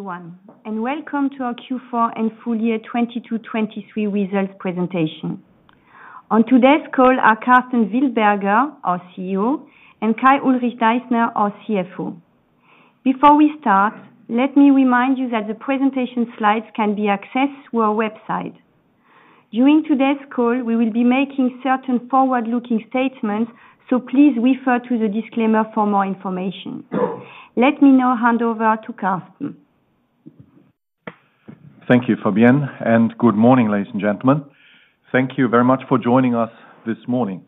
Everyone, and welcome to our Q4 and full year 2022, 2023 results presentation. On today's call are Karsten Wildberger, our CEO, and Kai-Ulrich Deissner, our CFO. Before we start, let me remind you that the presentation slides can be accessed through our website. During today's call, we will be making certain forward-looking statements, so please refer to the disclaimer for more information. Let me now hand over to Karsten. Thank you, Fabienne, and good morning, ladies and gentlemen. Thank you very much for joining us this morning.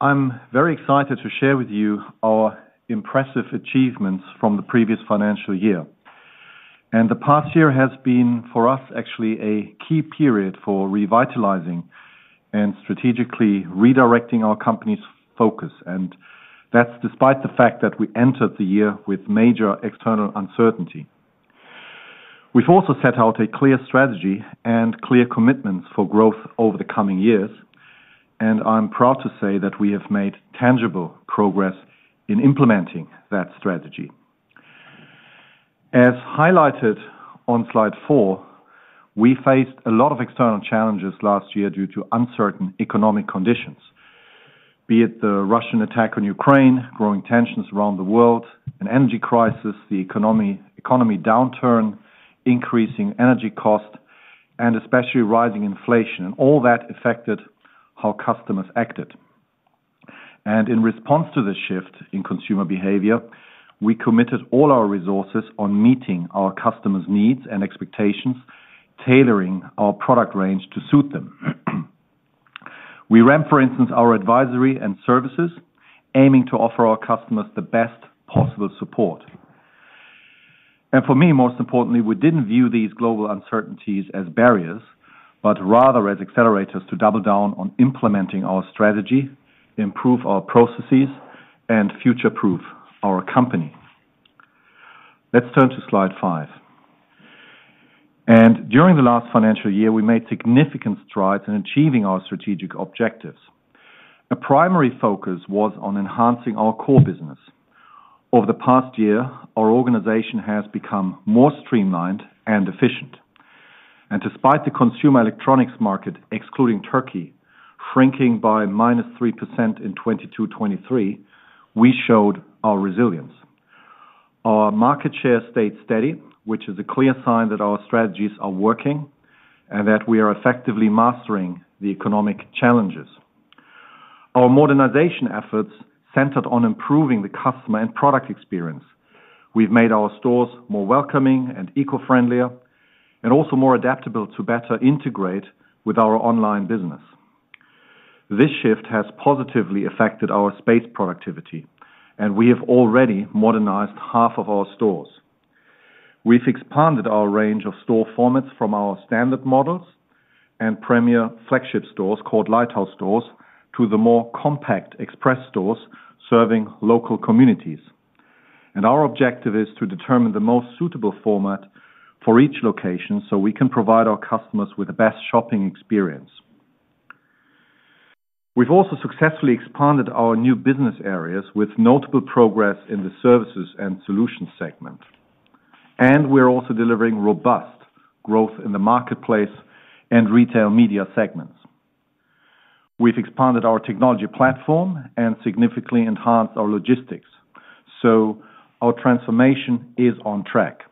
I'm very excited to share with you our impressive achievements from the previous financial year. The past year has been, for us, actually a key period for revitalizing and strategically redirecting our company's focus, and that's despite the fact that we entered the year with major external uncertainty. We've also set out a clear strategy and clear commitments for growth over the coming years, and I'm proud to say that we have made tangible progress in implementing that strategy. As highlighted on slide four, we faced a lot of external challenges last year due to uncertain economic conditions, be it the Russian attack on Ukraine, growing tensions around the world, an energy crisis, the economy, economy downturn, increasing energy costs, and especially rising inflation and all that affected how customers acted. In response to this shift in consumer behavior, we committed all our resources on meeting our customers' needs and expectations, tailoring our product range to suit them. We ran, for instance, our advisory and services, aiming to offer our customers the best possible support. And for me, most importantly, we didn't view these global uncertainties as barriers, but rather as accelerators to double down on implementing our strategy, improve our processes, and future-proof our company. Let's turn to slide five. And during the last financial year, we made significant strides in achieving our strategic objectives. A primary focus was on enhancing our core business. Over the past year, our organization has become more streamlined and efficient, and despite the consumer electronics market, excluding Turkey, shrinking by -3% in 2022-2023, we showed our resilience. Our market share stayed steady, which is a clear sign that our strategies are working, and that we are effectively mastering the economic challenges. Our modernization efforts centered on improving the customer and product experience. We've made our stores more welcoming and eco-friendlier, and also more adaptable to better integrate with our online business. This shift has positively affected our space productivity, and we have already modernized half of our stores. We've expanded our range of store formats from our standard models and premier flagship stores, called Lighthouse stores, to the more compact Xpress stores serving local communities. Our objective is to determine the most suitable format for each location, so we can provide our customers with the best shopping experience. We've also successfully expanded our new business areas with notable progress in the services and solutions segment. We're also delivering robust growth in the marketplace and retail media segments. We've expanded our technology platform and significantly enhanced our logistics, so our transformation is on track.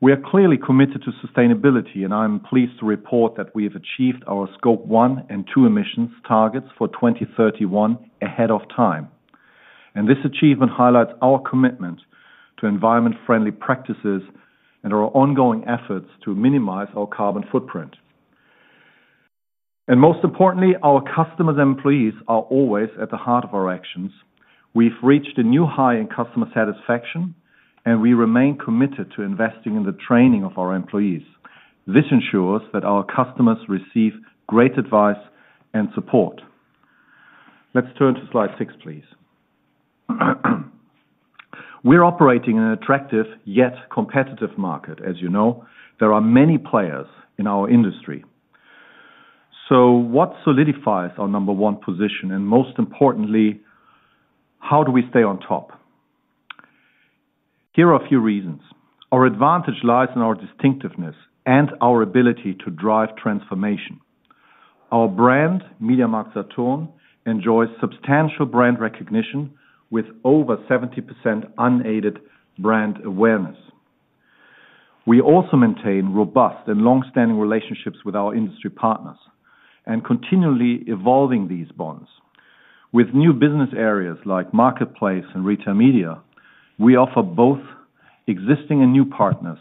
We are clearly committed to sustainability, and I'm pleased to report that we have achieved our Scope 1 and Scope 2 emissions targets for 2031 ahead of time. This achievement highlights our commitment to environment-friendly practices and our ongoing efforts to minimize our carbon footprint. Most importantly, our customers and employees are always at the heart of our actions. We've reached a new high in customer satisfaction, and we remain committed to investing in the training of our employees. This ensures that our customers receive great advice and support. Let's turn to slide six, please. We're operating in an attractive, yet competitive market as you know. There are many players in our industry. So what solidifies our number one position, and most importantly, how do we stay on top? Here are a few reasons: Our advantage lies in our distinctiveness and our ability to drive transformation. Our brand, MediaMarktSaturn, enjoys substantial brand recognition with over 70% unaided brand awareness. We also maintain robust and longstanding relationships with our industry partners and continually evolving these bonds. With new business areas like marketplace and retail media, we offer both existing and new partners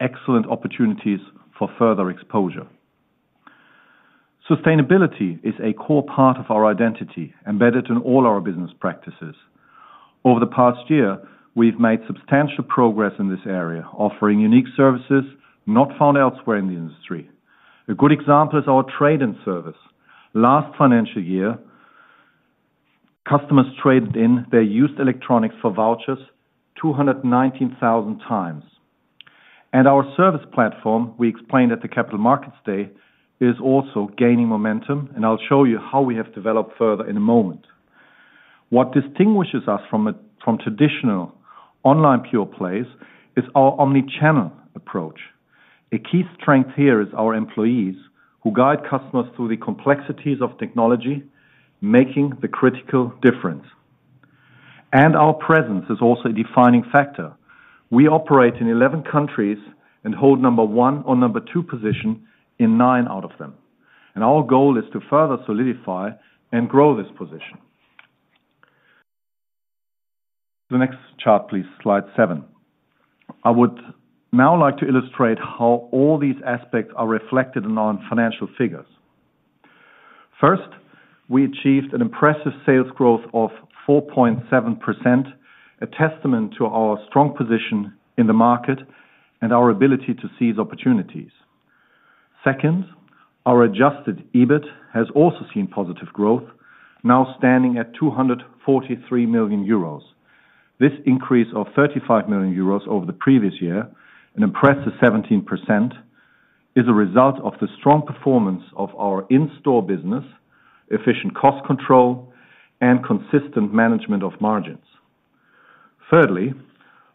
excellent opportunities for further exposure. Sustainability is a core part of our identity, embedded in all our business practices. Over the past year, we've made substantial progress in this area, offering unique services not found elsewhere in the industry. A good example is our trade-in service. Last financial year, customers traded in their used electronics for vouchers 219,000 times. Our service platform, we explained at the Capital Markets Day, is also gaining momentum, and I'll show you how we have developed further in a moment. What distinguishes us from traditional online pure plays is our omni-channel approach. A key strength here is our employees, who guide customers through the complexities of technology, making the critical difference. And our presence is also a defining factor. We operate in 11 countries and hold number one or number two position in nine out of them, and our goal is to further solidify and grow this position. The next chart, please, slide seven. I would now like to illustrate how all these aspects are reflected in our financial figures. First, we achieved an impressive sales growth of 4.7%, a testament to our strong position in the market and our ability to seize opportunities. Second, our Adjusted EBIT has also seen positive growth, now standing at 243 million euros. This increase of 35 million euros over the previous year, an impressive 17%, is a result of the strong performance of our in-store business, efficient cost control, and consistent management of margins. Thirdly,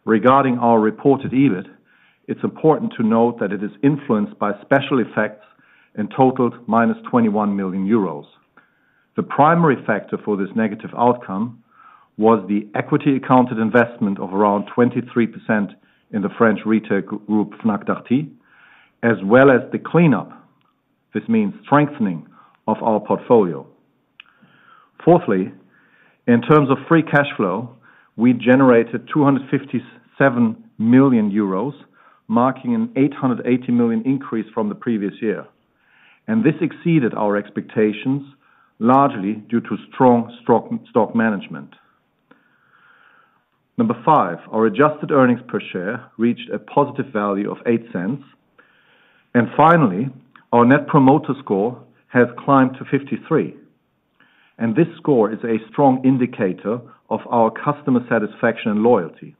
regarding our reported EBIT, it's important to note that it is influenced by special effects and totaled -21 million euros. The primary factor for this negative outcome was the equity accounted investment of around 23% in the French retail group, Fnac Darty, as well as the cleanup. This means strengthening of our portfolio. Fourthly, in terms of free cash flow, we generated 257 million euros, marking an 880 million increase from the previous year. And this exceeded our expectations, largely due to strong stock management. Number 5, our Adjusted earnings per share reached a positive value of 0.08. Finally, our Net Promoter Score has climbed to 53, and this score is a strong indicator of our customer satisfaction and loyalty.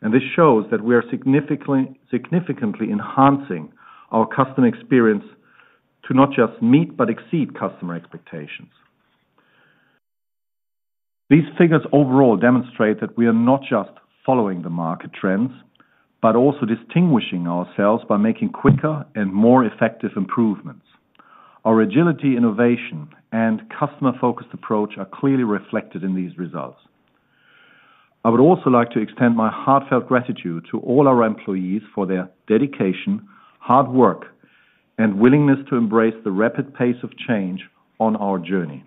This shows that we are significantly, significantly enhancing our customer experience to not just meet, but exceed customer expectations. These figures overall demonstrate that we are not just following the market trends, but also distinguishing ourselves by making quicker and more effective improvements. Our agility, innovation, and customer-focused approach are clearly reflected in these results. I would also like to extend my heartfelt gratitude to all our employees for their dedication, hard work, and willingness to embrace the rapid pace of change on our journey.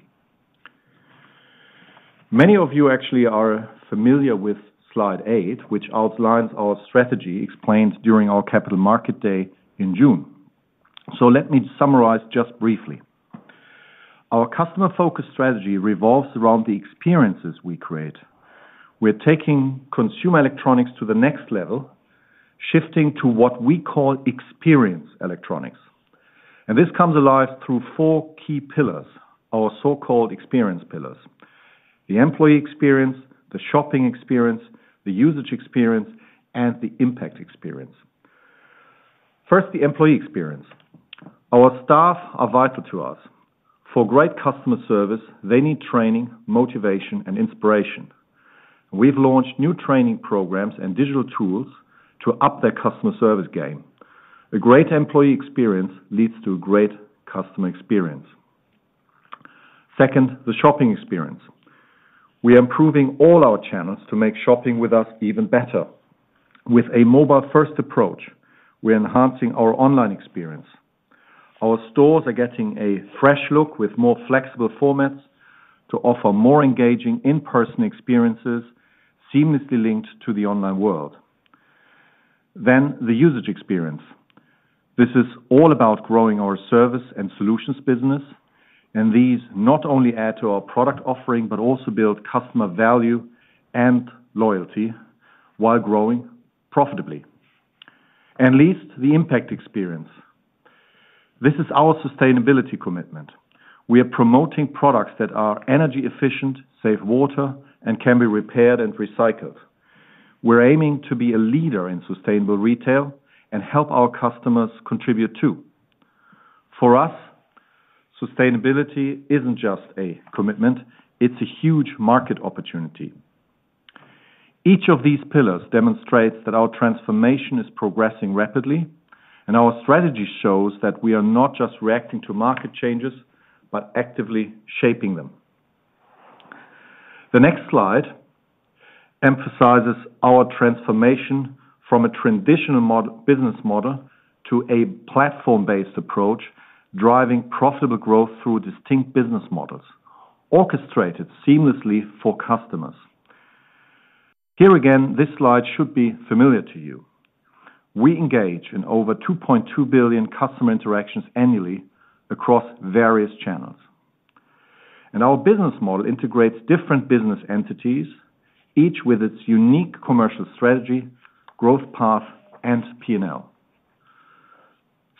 Many of you actually are familiar with slide eight, which outlines our strategy explained during our Capital Markets Day in June. So let me summarize just briefly. Our customer-focused strategy revolves around the experiences we create. We're taking consumer electronics to the next level, shifting to what we call experience electronics, and this comes alive through four key pillars, our so-called experience pillars: the employee experience, the shopping experience, the usage experience, and the impact experience. First, the employee experience. Our staff are vital to us. For great customer service, they need training, motivation, and inspiration. We've launched new training programs and digital tools to up their customer service game. A great employee experience leads to a great customer experience. Second, the shopping experience. We are improving all our channels to make shopping with us even better. With a mobile-first approach, we're enhancing our online experience. Our stores are getting a fresh look with more flexible formats to offer more engaging in-person experiences, seamlessly linked to the online world. Then, the usage experience. This is all about growing our service and solutions business, and these not only add to our product offering, but also build customer value and loyalty while growing profitably. And last, the impact experience. This is our sustainability commitment. We are promoting products that are energy efficient, save water, and can be repaired and recycled. We're aiming to be a leader in sustainable retail and help our customers contribute, too. For us, sustainability isn't just a commitment, it's a huge market opportunity. Each of these pillars demonstrates that our transformation is progressing rapidly, and our strategy shows that we are not just reacting to market changes, but actively shaping them. The next slide emphasizes our transformation from a traditional business model to a platform-based approach, driving profitable growth through distinct business models, orchestrated seamlessly for customers. Here again, this slide should be familiar to you. We engage in over 2.2 billion customer interactions annually across various channels, and our business model integrates different business entities, each with its unique commercial strategy, growth path, and P&L.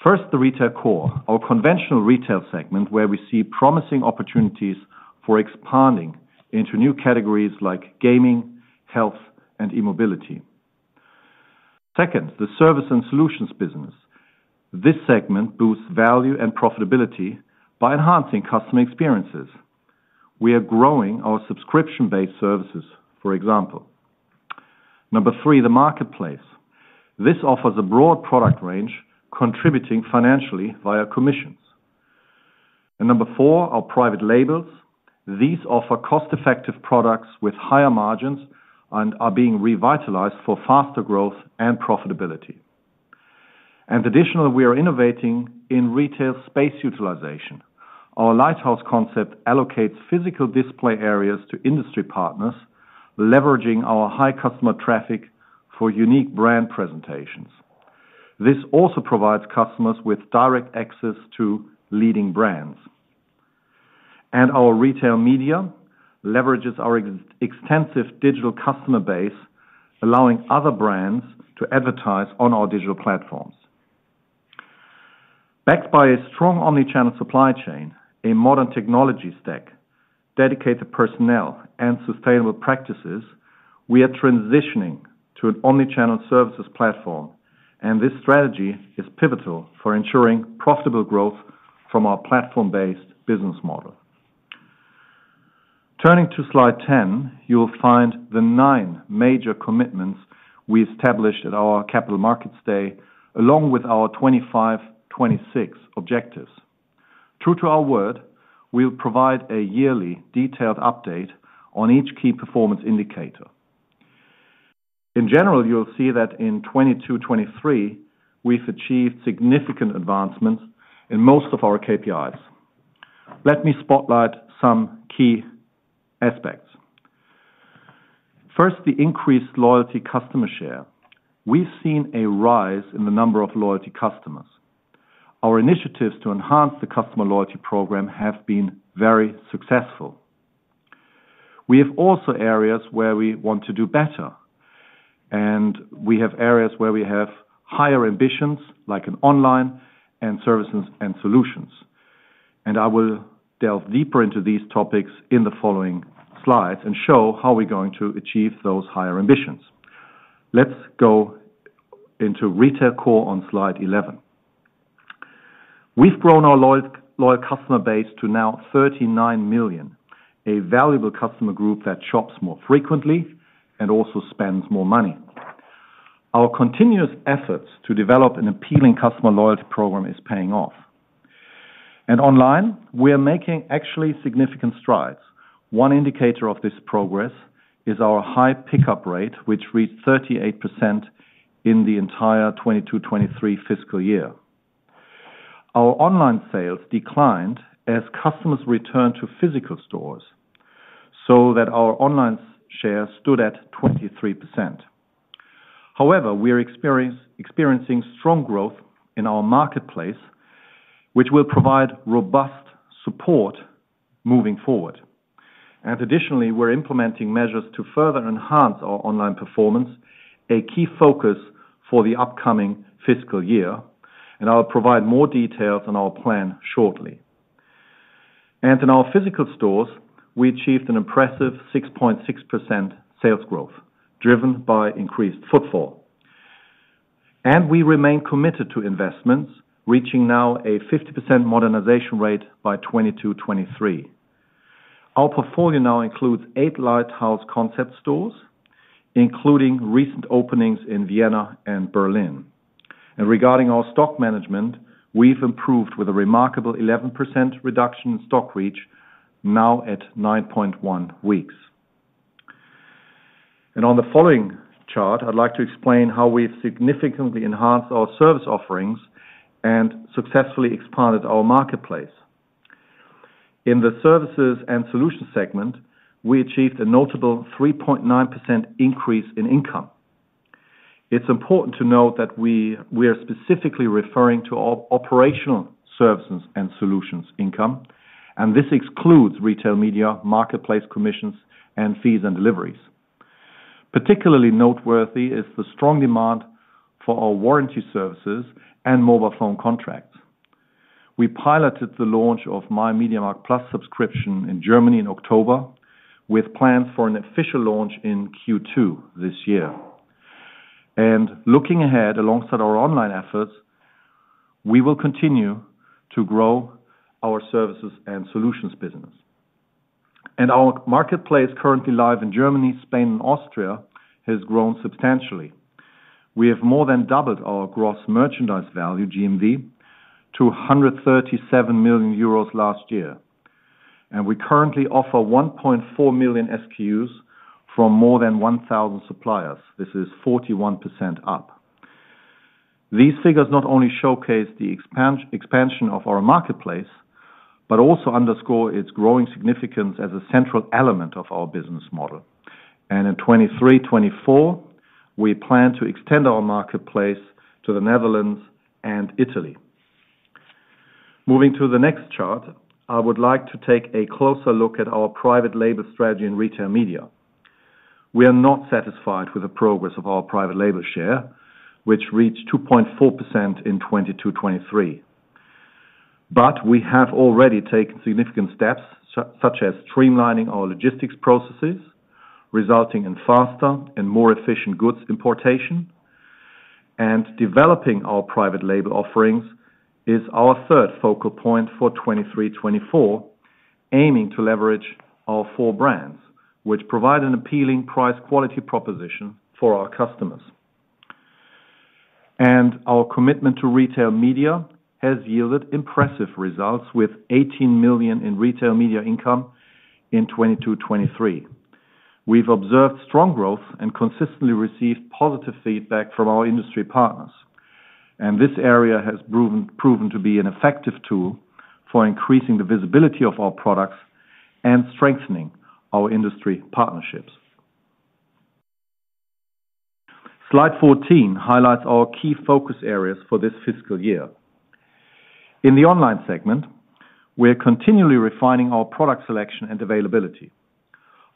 First, the retail core, our conventional retail segment, where we see promising opportunities for expanding into new categories like gaming, health, and e-mobility. Second, the service and solutions business. This segment boosts value and profitability by enhancing customer experiences. We are growing our subscription-based services, for example. Number three, the marketplace. This offers a broad product range, contributing financially via commissions. And number four, our private labels. These offer cost-effective products with higher margins and are being revitalized for faster growth and profitability. And additionally, we are innovating in retail space utilization. Our Lighthouse concept allocates physical display areas to industry partners, leveraging our high customer traffic for unique brand presentations. This also provides customers with direct access to leading brands. Our retail media leverages our extensive digital customer base, allowing other brands to advertise on our digital platforms. Backed by a strong omni-channel supply chain, a modern technology stack, dedicated personnel, and sustainable practices, we are transitioning to an omni-channel services platform, and this strategy is pivotal for ensuring profitable growth from our platform-based business model. Turning to slide 10, you will find the nine major commitments we established at our Capital Markets Day, along with our 2025, 2026 objectives. True to our word, we'll provide a yearly detailed update on each key performance indicator. In general, you'll see that in 2022, 2023, we've achieved significant advancements in most of our KPIs. Let me spotlight some key aspects. First, the increased loyalty customer share. We've seen a rise in the number of loyalty customers. Our initiatives to enhance the customer loyalty program have been very successful. We have also areas where we want to do better, and we have areas where we have higher ambitions, like in online and services and solutions. I will delve deeper into these topics in the following slides and show how we're going to achieve those higher ambitions. Let's go into retail core on slide 11. We've grown our loyal, loyal customer base to now 39 million, a valuable customer group that shops more frequently and also spends more money. Our continuous efforts to develop an appealing customer loyalty program is paying off. Online, we are making actually significant strides. One indicator of this progress is our high pickup rate, which reached 38% in the entire 2022-2023 fiscal year. Our online sales declined as customers returned to physical stores so that our online share stood at 23%. However, we are experiencing strong growth in our marketplace, which will provide robust support moving forward. Additionally, we're implementing measures to further enhance our online performance, a key focus for the upcoming fiscal year, and I'll provide more details on our plan shortly. In our physical stores, we achieved an impressive 6.6% sales growth, driven by increased footfall. We remain committed to investments, reaching now a 50% modernization rate by 2022, 2023. Our portfolio now includes eight Lighthouse concept stores, including recent openings in Vienna and Berlin. Regarding our stock management, we've improved with a remarkable 11% reduction in stock reach, now at 9.1 weeks. On the following chart, I'd like to explain how we've significantly enhanced our service offerings and successfully expanded our marketplace. In the services and solutions segment, we achieved a notable 3.9% increase in income. It's important to note that we are specifically referring to operational services and solutions income, and this excludes retail media, marketplace commissions, and fees and deliveries. Particularly noteworthy is the strong demand for our warranty services and mobile phone contracts. We piloted the launch of my MediaMarkt+ subscription in Germany in October, with plans for an official launch in Q2 this year. Looking ahead, alongside our online efforts, we will continue to grow our services and solutions business. Our marketplace, currently live in Germany, Spain, and Austria, has grown substantially. We have more than doubled our gross merchandise value, GMV, to 137 million euros last year, and we currently offer 1.4 million SKUs from more than 1,000 suppliers. This is 41% up. These figures not only showcase the expansion of our marketplace, but also underscore its growing significance as a central element of our business model. In 2023, 2024, we plan to extend our marketplace to the Netherlands and Italy. Moving to the next chart, I would like to take a closer look at our private label strategy in retail media. We are not satisfied with the progress of our private label share, which reached 2.4% in 2022, 2023. But we have already taken significant steps, such as streamlining our logistics processes, resulting in faster and more efficient goods importation. Developing our private label offerings is our third focal point for 2023-2024, aiming to leverage our four brands, which provide an appealing price quality proposition for our customers. Our commitment to retail media has yielded impressive results, with 18 million in retail media income in 2022-2023. We've observed strong growth and consistently received positive feedback from our industry partners, and this area has proven to be an effective tool for increasing the visibility of our products and strengthening our industry partnerships. Slide 14 highlights our key focus areas for this fiscal year. In the online segment, we are continually refining our product selection and availability.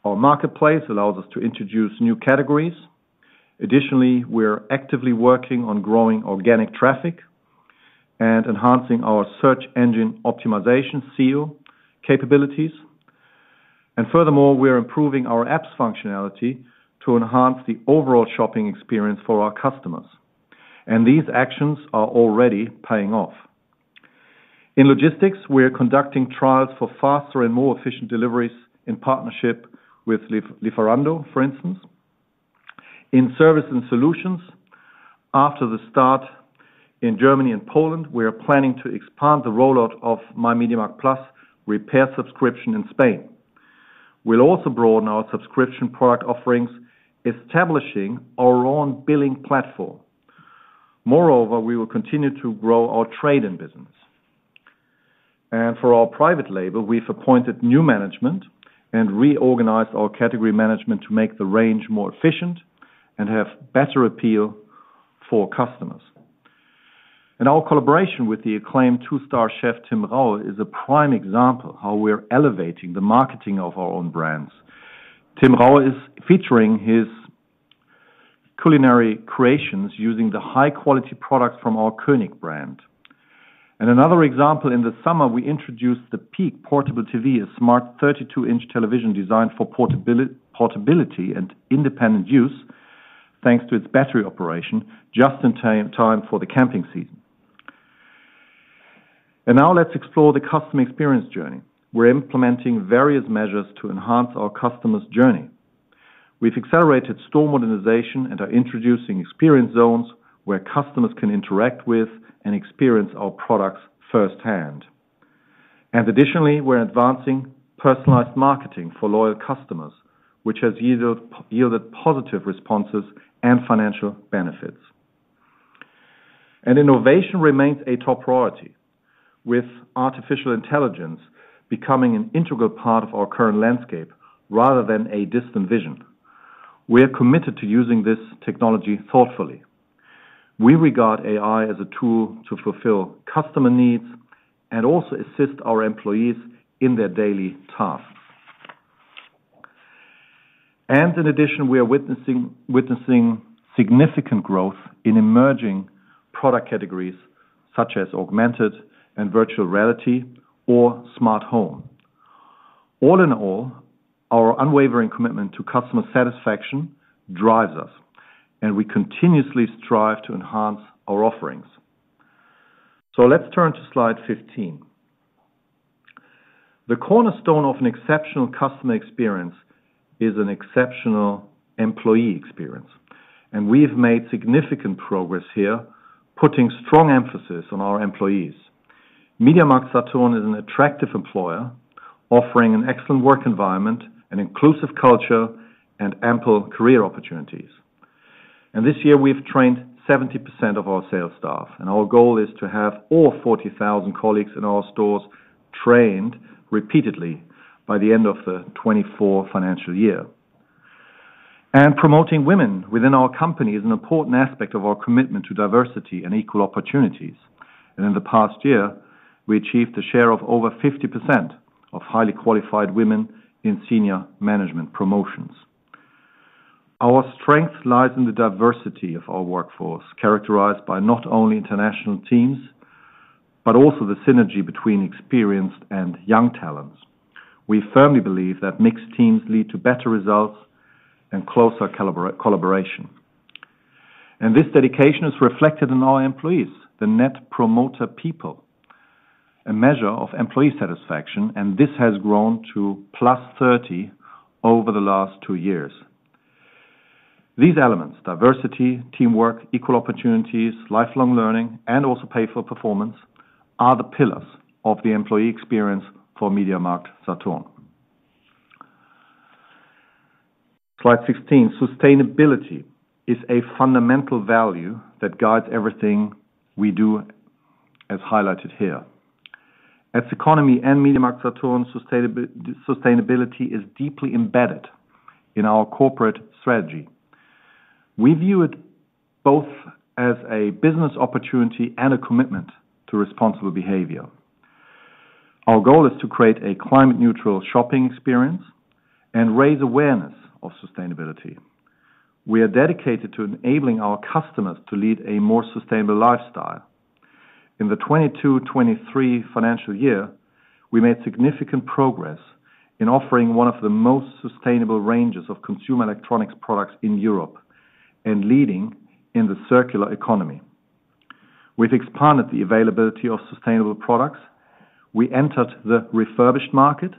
Our marketplace allows us to introduce new categories. Additionally, we are actively working on growing organic traffic and enhancing our search engine optimization SEO capabilities. Furthermore, we are improving our app's functionality to enhance the overall shopping experience for our customers, and these actions are already paying off. In logistics, we are conducting trials for faster and more efficient deliveries in partnership with Lieferando, for instance. In service and solutions, after the start in Germany and Poland, we are planning to expand the rollout of my MediaMarkt+ repair subscription in Spain. We'll also broaden our subscription product offerings, establishing our own billing platform. Moreover, we will continue to grow our trade-in business. And for our private label, we've appointed new management and reorganized our category management to make the range more efficient and have better appeal for customers. And our collaboration with the acclaimed two-star chef, Tim Raue, is a prime example how we are elevating the marketing of our own brands. Tim Raue is featuring his culinary creations using the high-quality products from our KOENIC brand. Another example, in the summer, we introduced the PEAQ Portable TV, a smart 32-inch television designed for portability and independent use, thanks to its battery operation, just in time for the camping season. Now let's explore the customer experience journey. We're implementing various measures to enhance our customer's journey. We've accelerated store modernization and are introducing experience zones, where customers can interact with and experience our products firsthand. Additionally, we're advancing personalized marketing for loyal customers, which has yielded positive responses and financial benefits. Innovation remains a top priority, with artificial intelligence becoming an integral part of our current landscape rather than a distant vision. We are committed to using this technology thoughtfully. We regard AI as a tool to fulfill customer needs and also assist our employees in their daily tasks. And in addition, we are witnessing significant growth in emerging product categories such as augmented and virtual reality or smart home. All in all, our unwavering commitment to customer satisfaction drives us, and we continuously strive to enhance our offerings. So let's turn to slide 15. The cornerstone of an exceptional customer experience is an exceptional employee experience, and we've made significant progress here, putting strong emphasis on our employees. MediaMarktSaturn is an attractive employer, offering an excellent work environment, an inclusive culture, and ample career opportunities. And this year we've trained 70% of our sales staff, and our goal is to have all 40,000 colleagues in our stores trained repeatedly by the end of the 2024 financial year. Promoting women within our company is an important aspect of our commitment to diversity and equal opportunities. In the past year, we achieved a share of over 50% of highly qualified women in senior management promotions. Our strength lies in the diversity of our workforce, characterized by not only international teams, but also the synergy between experienced and young talents. We firmly believe that mixed teams lead to better results and closer collaboration. This dedication is reflected in our employees, the Net Promoter People, a measure of employee satisfaction, and this has grown to +30 over the last two years. These elements: diversity, teamwork, equal opportunities, lifelong learning, and also pay for performance, are the pillars of the employee experience for MediaMarktSaturn. Slide 16. Sustainability is a fundamental value that guides everything we do, as highlighted here. At Ceconomy and MediaMarktSaturn, sustainability is deeply embedded in our corporate strategy. We view it both as a business opportunity and a commitment to responsible behavior. Our goal is to create a climate neutral shopping experience and raise awareness of sustainability. We are dedicated to enabling our customers to lead a more sustainable lifestyle. In the 2022-2023 financial year, we made significant progress in offering one of the most sustainable ranges of consumer electronics products in Europe and leading in the circular economy. We've expanded the availability of sustainable products, we entered the refurbished market,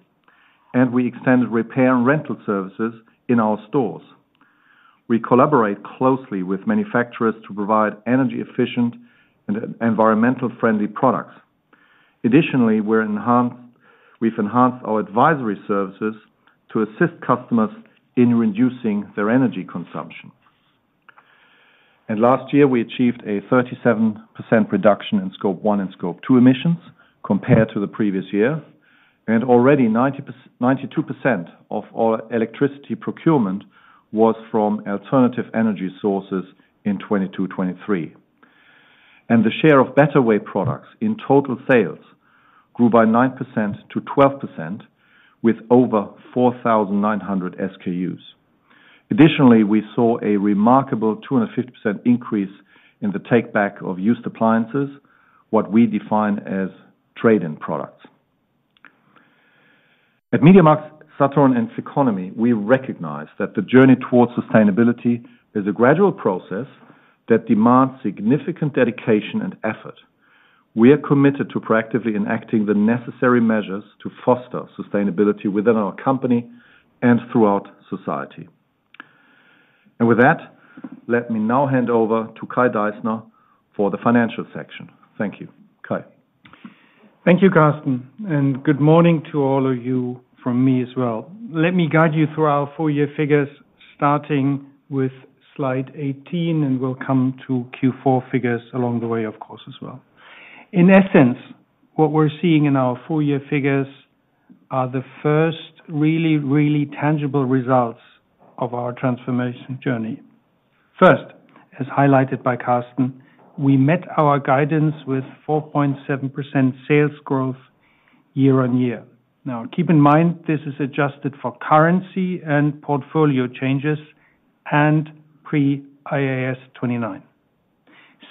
and we extended repair and rental services in our stores. We collaborate closely with manufacturers to provide energy efficient and environmentally friendly products. Additionally, we've enhanced our advisory services to assist customers in reducing their energy consumption. Last year, we achieved a 37% reduction in Scope 1 and Scope 2 emissions compared to the previous year, and already 92% of all electricity procurement was from alternative energy sources in 2022-2023. The share of BetterWay products in total sales grew by 9% to 12%, with over 4,900 SKUs. Additionally, we saw a remarkable 250% increase in the takeback of used appliances, what we define as trade-in products. At MediaMarktSaturn and CECONOMY, we recognize that the journey towards sustainability is a gradual process that demands significant dedication and effort. We are committed to proactively enacting the necessary measures to foster sustainability within our company and throughout society. With that, let me now hand over to Kai Deissner for the financial section. Thank you. Kai? Thank you, Karsten, and good morning to all of you from me as well. Let me guide you through our full year figures, starting with slide 18, and we'll come to Q4 figures along the way, of course, as well. In essence, what we're seeing in our full year figures are the first really, really tangible results of our transformation journey. First, as highlighted by Karsten, we met our guidance with 4.7% sales growth year-on-year. Now, keep in mind, this is Adjusted for currency and portfolio changes and pre-IAS 29.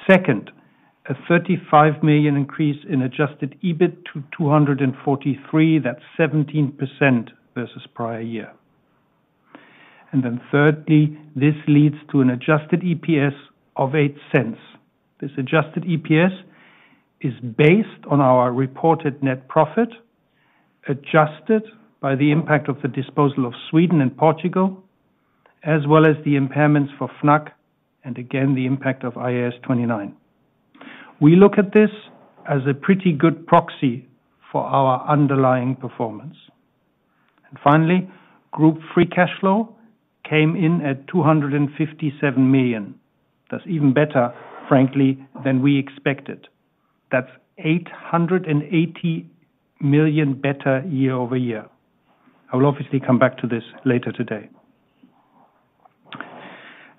Second, a 35 million increase in Adjusted EBIT to 243 million. That's 17% versus prior year. And then thirdly, this leads to an Adjusted EPS of 0.08. This Adjusted EPS is based on our reported net profit, Adjusted by the impact of the disposal of Sweden and Portugal, as well as the impairments for Fnac, and again, the impact of IAS 29. We look at this as a pretty good proxy for our underlying performance. Finally, group free cash flow came in at 257 million. That's even better, frankly, than we expected. That's 880 million better year-over-year. I will obviously come back to this later today.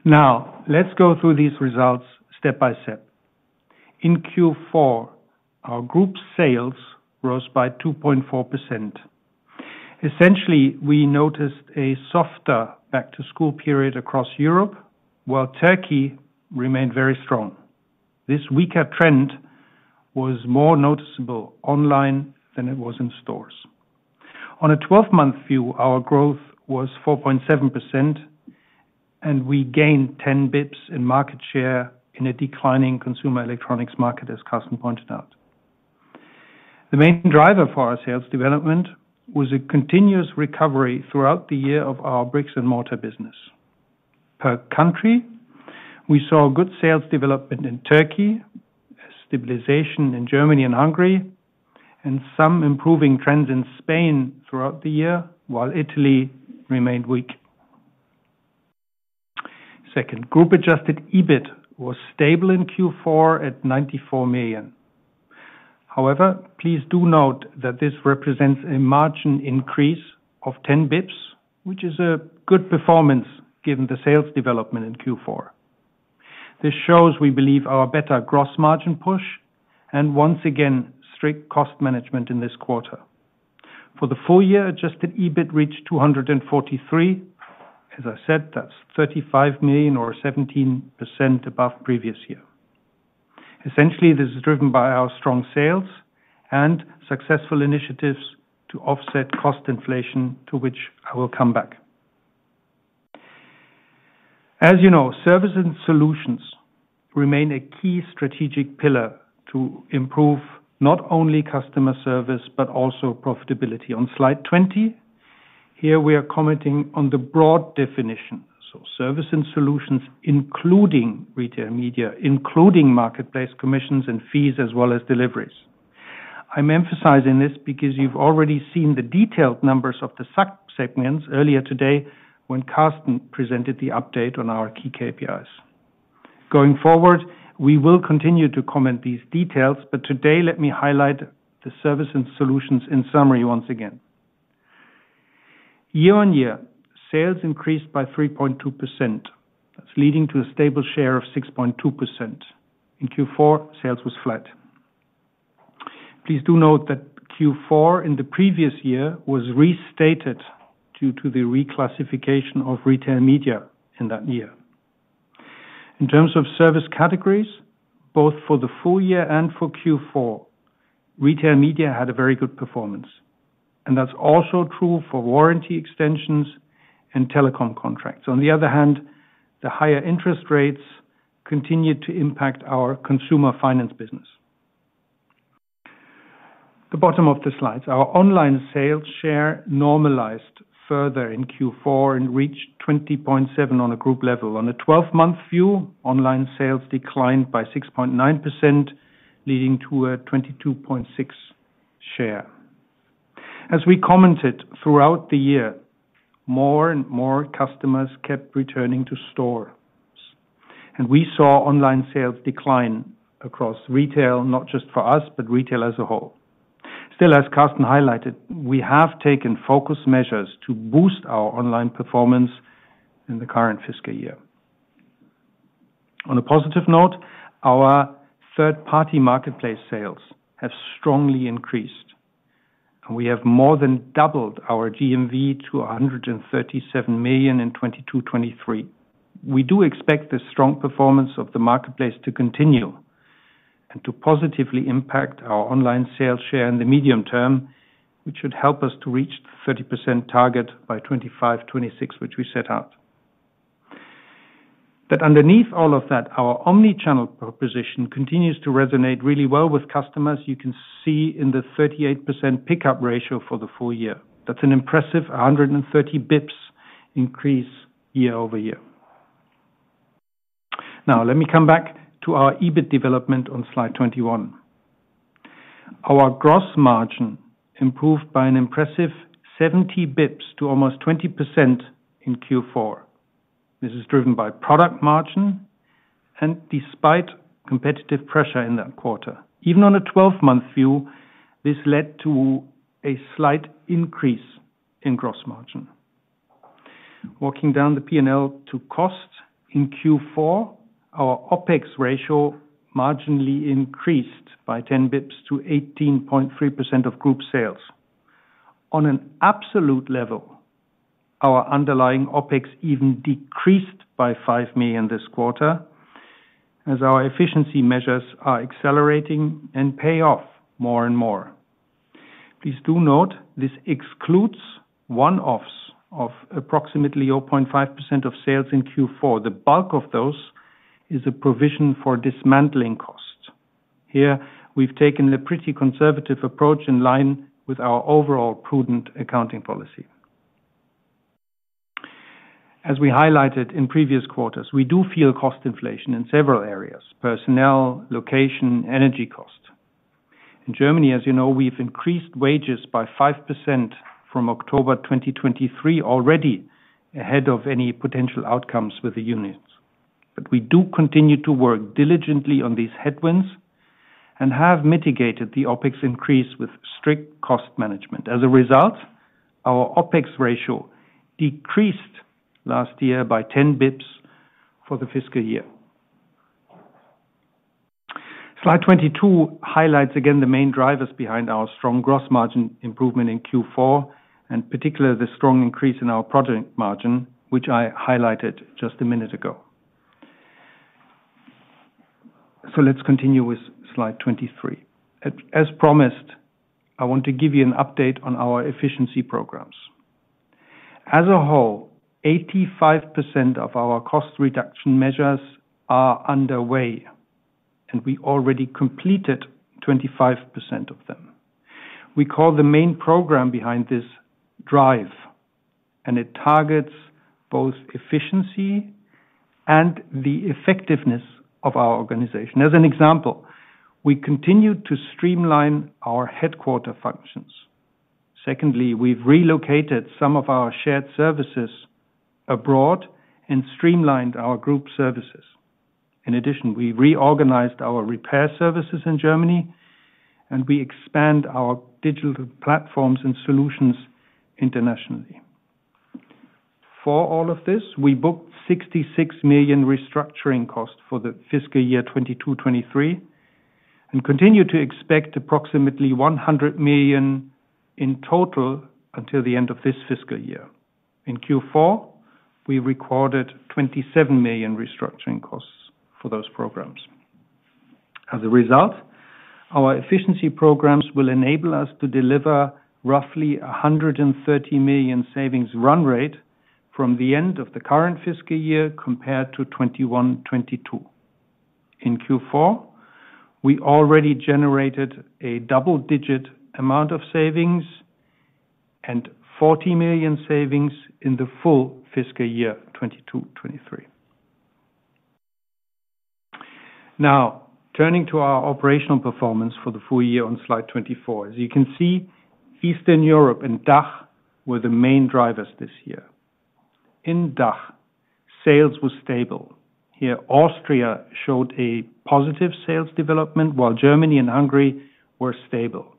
Now, let's go through these results step by step. In Q4, our group sales rose by 2.4%. Essentially, we noticed a softer back to school period across Europe, while Turkey remained very strong. This weaker trend was more noticeable online than it was in stores. On a twelve-month view, our growth was 4.7%, and we gained 10 basis points in market share in a declining consumer electronics market, as Karsten pointed out. The main driver for our sales development was a continuous recovery throughout the year of our brick-and-mortar business. Per country, we saw good sales development in Turkey, a stabilization in Germany and Hungary, and some improving trends in Spain throughout the year, while Italy remained weak. Second, group-Adjusted EBIT was stable in Q4 at 94 million. However, please do note that this represents a margin increase of 10 basis points, which is a good performance given the sales development in Q4. This shows we believe our better gross margin push and once again, strict cost management in this quarter. For the full year, Adjusted EBIT reached 243 million. As I said, that's 35 million or 17% above previous year. Essentially, this is driven by our strong sales and successful initiatives to offset cost inflation, to which I will come back. As you know, service and solutions remain a key strategic pillar to improve not only customer service, but also profitability. On slide 20, here we are commenting on the broad definition, so service and solutions, including retail media, including marketplace commissions and fees, as well as deliveries. I'm emphasizing this because you've already seen the detailed numbers of the sub-segments earlier today when Karsten presented the update on our key KPIs. Going forward, we will continue to comment these details, but today, let me highlight the service and solutions in summary, once again. Year-over-year, sales increased by 3.2%. That's leading to a stable share of 6.2%. In Q4, sales was flat. Please do note that Q4 in the previous year was restated due to the reclassification of retail media in that year. In terms of service categories, both for the full year and for Q4, retail media had a very good performance, and that's also true for warranty extensions and telecom contracts. On the other hand, the higher interest rates continued to impact our consumer finance business. The bottom of the slide, our online sales share normalized further in Q4 and reached 20.7% on a group level. On a 12-month view, online sales declined by 6.9%, leading to a 22.6% share. As we commented throughout the year, more and more customers kept returning to stores, and we saw online sales decline across retail, not just for us, but retail as a whole. Still, as Karsten highlighted, we have taken focus measures to boost our online performance in the current fiscal year. On a positive note, our third-party marketplace sales have strongly increased, and we have more than doubled our GMV to 137 million in 2022/23. We do expect the strong performance of the marketplace to continue and to positively impact our online sales share in the medium term, which should help us to reach the 30% target by 2025, 2026, which we set out. But underneath all of that, our omni-channel proposition continues to resonate really well with customers. You can see in the 38% pickup ratio for the full year, that's an impressive 130 basis points increase year-over-year. Now, let me come back to our EBIT development on slide 21. Our gross margin improved by an impressive 70 basis points to almost 20% in Q4. This is driven by product margin and despite competitive pressure in that quarter. Even on a 12-month view, this led to a slight increase in gross margin. Walking down the P&L to cost, in Q4, our OpEx ratio marginally increased by 10 basis points to 18.3% of group sales. On an absolute level, our underlying OpEx even decreased by 5 million this quarter, as our efficiency measures are accelerating and pay off more and more. Please do note, this excludes one-offs of approximately 0.5% of sales in Q4. The bulk of those is a provision for dismantling costs. Here, we've taken a pretty conservative approach in line with our overall prudent accounting policy. As we highlighted in previous quarters, we do feel cost inflation in several areas: personnel, location, energy cost. In Germany, as you know, we've increased wages by 5% from October 2023, already ahead of any potential outcomes with the unions. But we do continue to work diligently on these headwinds and have mitigated the OpEx increase with strict cost management. As a result, our OpEx ratio decreased last year by 10 basis points for the fiscal year. Slide 22 highlights, again, the main drivers behind our strong gross margin improvement in Q4, and particularly, the strong increase in our product margin, which I highlighted just a minute ago. So let's continue with slide 23. As, as promised, I want to give you an update on our efficiency programs. As a whole, 85% of our cost reduction measures are underway, and we already completed 25% of them. We call the main program behind this Drive, and it targets both efficiency and the effectiveness of our organization. As an example, we continue to streamline our headquarters functions. Secondly, we've relocated some of our shared services abroad and streamlined our group services. In addition, we reorganized our repair services in Germany, and we expand our digital platforms and solutions internationally. For all of this, we booked 66 million restructuring costs for the fiscal year 2022-2023, and continue to expect approximately 100 million in total until the end of this fiscal year. In Q4, we recorded 27 million restructuring costs for those programs. As a result, our efficiency programs will enable us to deliver roughly 130 million savings run rate from the end of the current fiscal year, compared to 2021-2022. In Q4, we already generated a double-digit amount of savings and 40 million savings in the full fiscal year 2022/23. Now, turning to our operational performance for the full year on slide 24. As you can see, Eastern Europe and DACH were the main drivers this year. In DACH, sales were stable. Here, Austria showed a positive sales development, while Germany and Hungary were stable.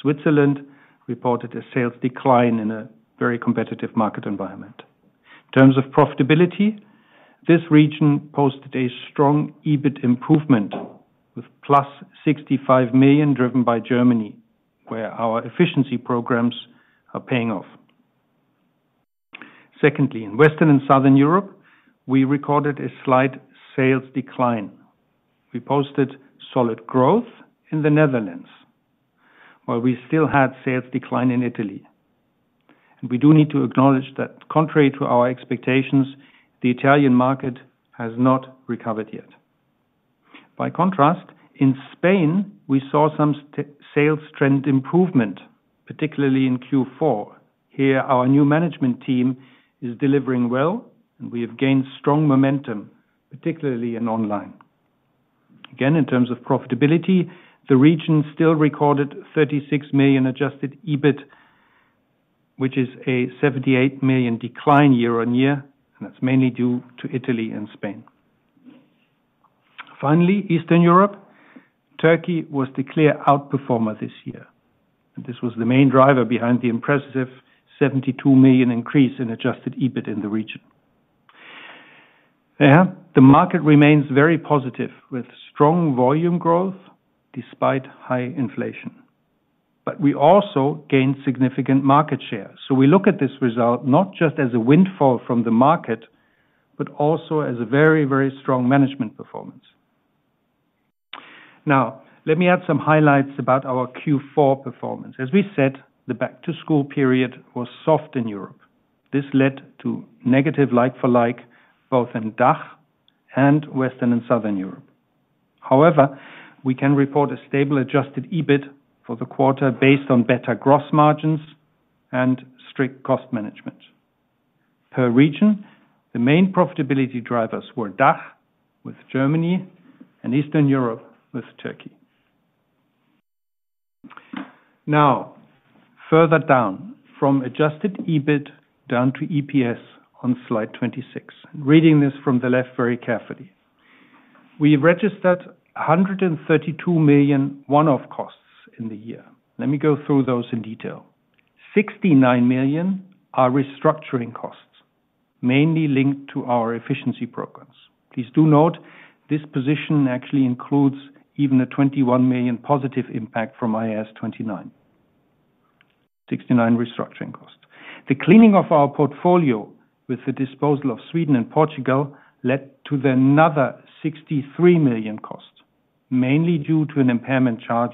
Switzerland reported a sales decline in a very competitive market environment. In terms of profitability, this region posted a strong EBIT improvement with +65 million, driven by Germany, where our efficiency programs are paying off. Secondly, in Western and Southern Europe, we recorded a slight sales decline. We posted solid growth in the Netherlands, while we still had sales decline in Italy. We do need to acknowledge that contrary to our expectations, the Italian market has not recovered yet. By contrast, in Spain, we saw some sales trend improvement, particularly in Q4. Here, our new management team is delivering well, and we have gained strong momentum, particularly in online. Again, in terms of profitability, the region still recorded 36 million Adjusted EBIT, which is a 78 million decline year-on-year, and that's mainly due to Italy and Spain. Finally, Eastern Europe. Turkey was the clear outperformer this year, and this was the main driver behind the impressive 72 million increase in Adjusted EBIT in the region. Yeah, the market remains very positive, with strong volume growth despite high inflation. But we also gained significant market share. So we look at this result, not just as a windfall from the market, but also as a very, very strong management performance. Now, let me add some highlights about our Q4 performance. As we said, the back-to-school period was soft in Europe. This led to negative like-for-like, both in DACH and Western and Southern Europe. However, we can report a stable, Adjusted EBIT for the quarter based on better gross margins and strict cost management. Per region, the main profitability drivers were DACH, with Germany, and Eastern Europe, with Turkey. Now, further down from Adjusted EBIT down to EPS on slide 26. Reading this from the left very carefully. We registered 132 million one-off costs in the year. Let me go through those in detail. 69 million are restructuring costs, mainly linked to our efficiency programs. Please do note, this position actually includes even a 21 million positive impact from IAS 29. 69 restructuring costs. The cleaning of our portfolio with the disposal of Sweden and Portugal led to another 63 million cost, mainly due to an impairment charge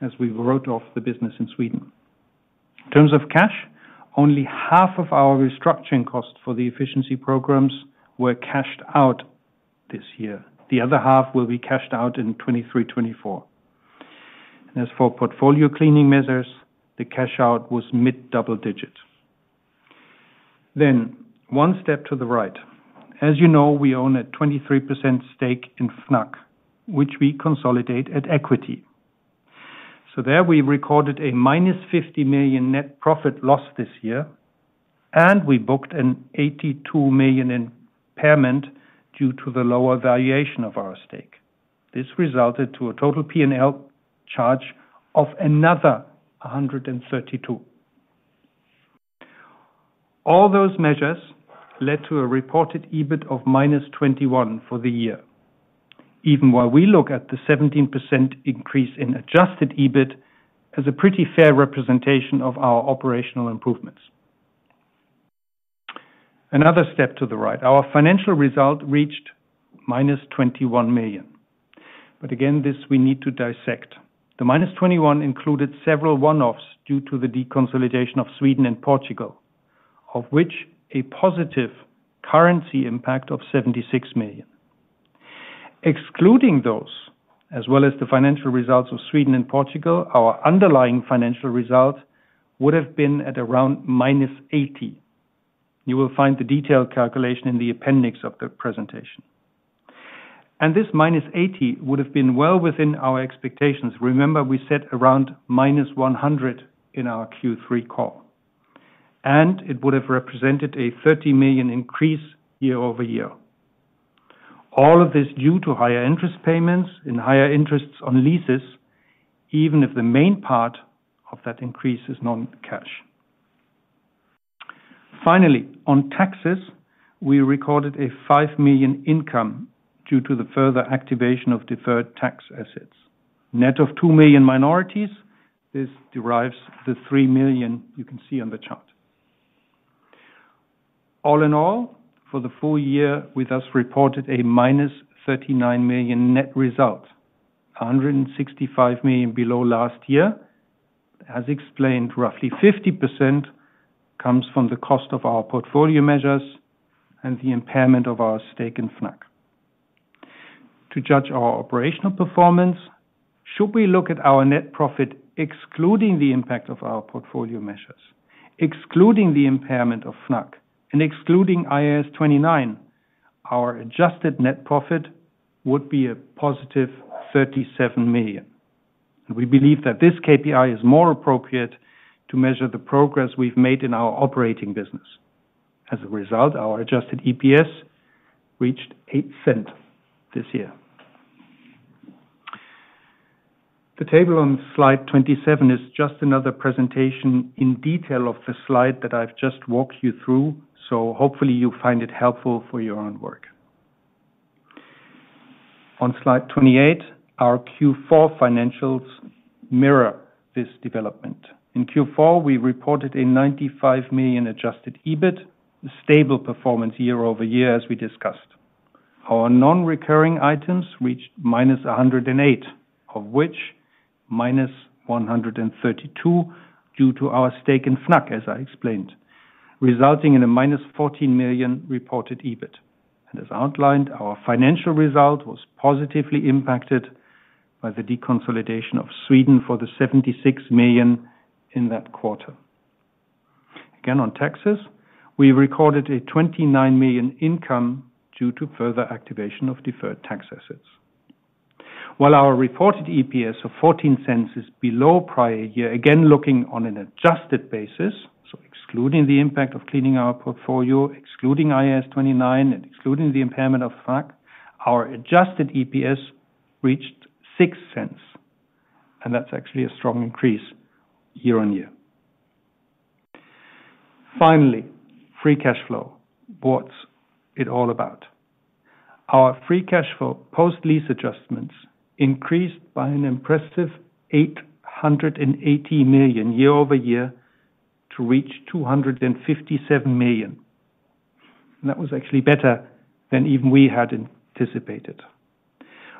as we wrote off the business in Sweden. In terms of cash, only half of our restructuring costs for the efficiency programs were cashed out this year. The other half will be cashed out in 2023, 2024. As for portfolio cleaning measures, the cash out was mid double-digit. Then, one step to the right. As you know, we own a 23% stake in Fnac, which we consolidate at equity. So there we recorded a -50 million net profit loss this year, and we booked an 82 million impairment due to the lower valuation of our stake. This resulted to a total P&L charge of another 132 million. All those measures led to a reported EBIT of -21 million for the year, even while we look at the 17% increase in Adjusted EBIT as a pretty fair representation of our operational improvements. Another step to the right. Our financial result reached -21 million. But again, this we need to dissect. The minus twenty-one included several one-offs due to the deconsolidation of Sweden and Portugal, of which a positive currency impact of 76 million. Excluding those, as well as the financial results of Sweden and Portugal, our underlying financial result would have been at around minus eighty. You will find the detailed calculation in the appendix of the presentation. And this minus eighty would have been well within our expectations. Remember, we said around minus one hundred in our Q3 call, and it would have represented a 30 million increase year-over-year. All of this due to higher interest payments and higher interests on leases, even if the main part of that increase is non-cash. Finally, on taxes, we recorded a 5 million income due to the further activation of deferred tax assets. Net of 2 million minority interests, this derives the 3 million you can see on the chart. All in all, for the full year, we thus reported a -39 million net result, 165 million below last year. As explained, roughly 50% comes from the cost of our portfolio measures and the impairment of our stake in Fnac. To judge our operational performance, should we look at our net profit, excluding the impact of our portfolio measures, excluding the impairment of Fnac, and excluding IAS 29, our Adjusted net profit would be a +37 million. And we believe that this KPI is more appropriate to measure the progress we've made in our operating business. As a result, our Adjusted EPS reached 0.08 this year. The table on slide 27 is just another presentation in detail of the slide that I've just walked you through, so hopefully you find it helpful for your own work. On slide 28, our Q4 financials mirror this development. In Q4, we reported 95 million Adjusted EBIT, stable performance year-over-year, as we discussed. Our non-recurring items reached -108, of which -132, due to our stake in Fnac, as I explained, resulting in -14 million reported EBIT. As outlined, our financial result was positively impacted by the deconsolidation of Sweden for the 76 million in that quarter. Again, on taxes, we recorded a 29 million income due to further activation of deferred tax assets. While our reported EPS of 0.14 is below prior year, again, looking on an Adjusted basis, so excluding the impact of cleaning our portfolio, excluding IAS 29, and excluding the impairment of Fnac, our Adjusted EPS reached 0.06, and that's actually a strong increase year-over-year. Finally, free cash flow. What's it all about? Our free cash flow post-lease adjustments increased by an impressive 880 million year-over-year to reach 257 million. And that was actually better than even we had anticipated.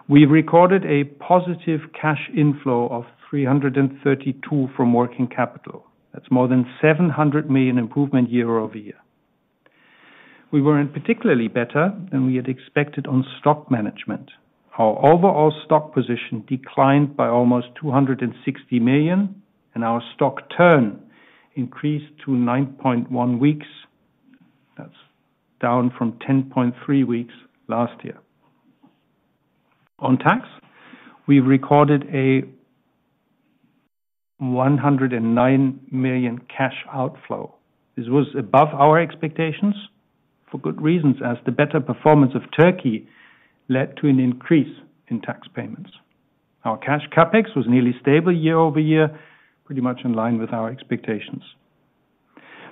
We recorded a positive cash inflow of 332 million from working capital. That's more than 700 million improvement year-over-year. We were in particularly better than we had expected on stock management. Our overall stock position declined by almost 260 million, and our stock turn increased to 9.1 weeks. That's down from 10.3 weeks last year. On tax, we recorded a 109 million cash outflow. This was above our expectations for good reasons, as the better performance of Turkey led to an increase in tax payments. Our cash CapEx was nearly stable year-over-year, pretty much in line with our expectations.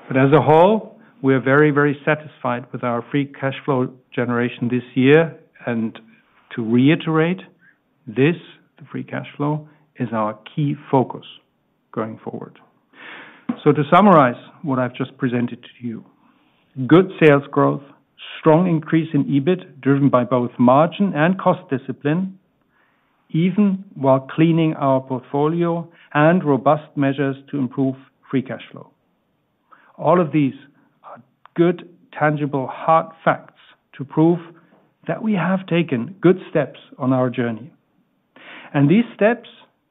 But as a whole, we are very, very satisfied with our free cash flow generation this year. And to reiterate, this, the free cash flow, is our key focus going forward. So to summarize what I've just presented to you, good sales growth, strong increase in EBIT, driven by both margin and cost discipline, even while cleaning our portfolio and robust measures to improve free cash flow. All of these are good, tangible, hard facts to prove that we have taken good steps on our journey, and these steps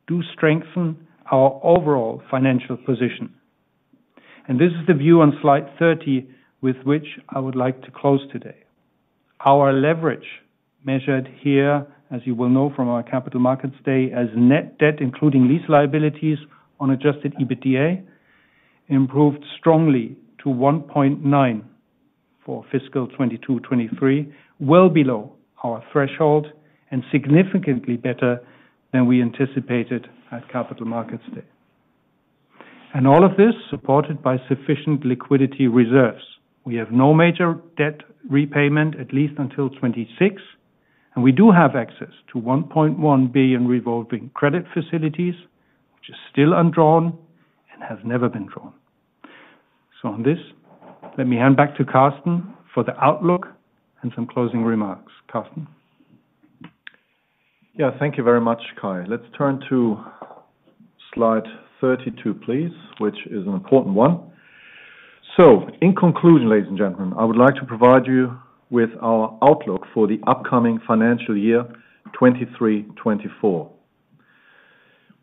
do strengthen our overall financial position. This is the view on slide 30, with which I would like to close today. Our leverage measured here, as you will know from our Capital Markets Day, as net debt, including lease liabilities on Adjusted EBITDA, improved strongly to 1.9 for fiscal 2022-23, well below our threshold and significantly better than we anticipated at Capital Markets Day. All of this supported by sufficient liquidity reserves. We have no major debt repayment, at least until 2026, and we do have access to 1.1 billion revolving credit facilities, which is still undrawn and has never been drawn. So on this, let me hand back to Karsten for the outlook and some closing remarks. Karsten? Yeah, thank you very much, Kai. Let's turn to slide 32, please, which is an important one. So in conclusion, ladies and gentlemen, I would like to provide you with our outlook for the upcoming financial year 2023-2024.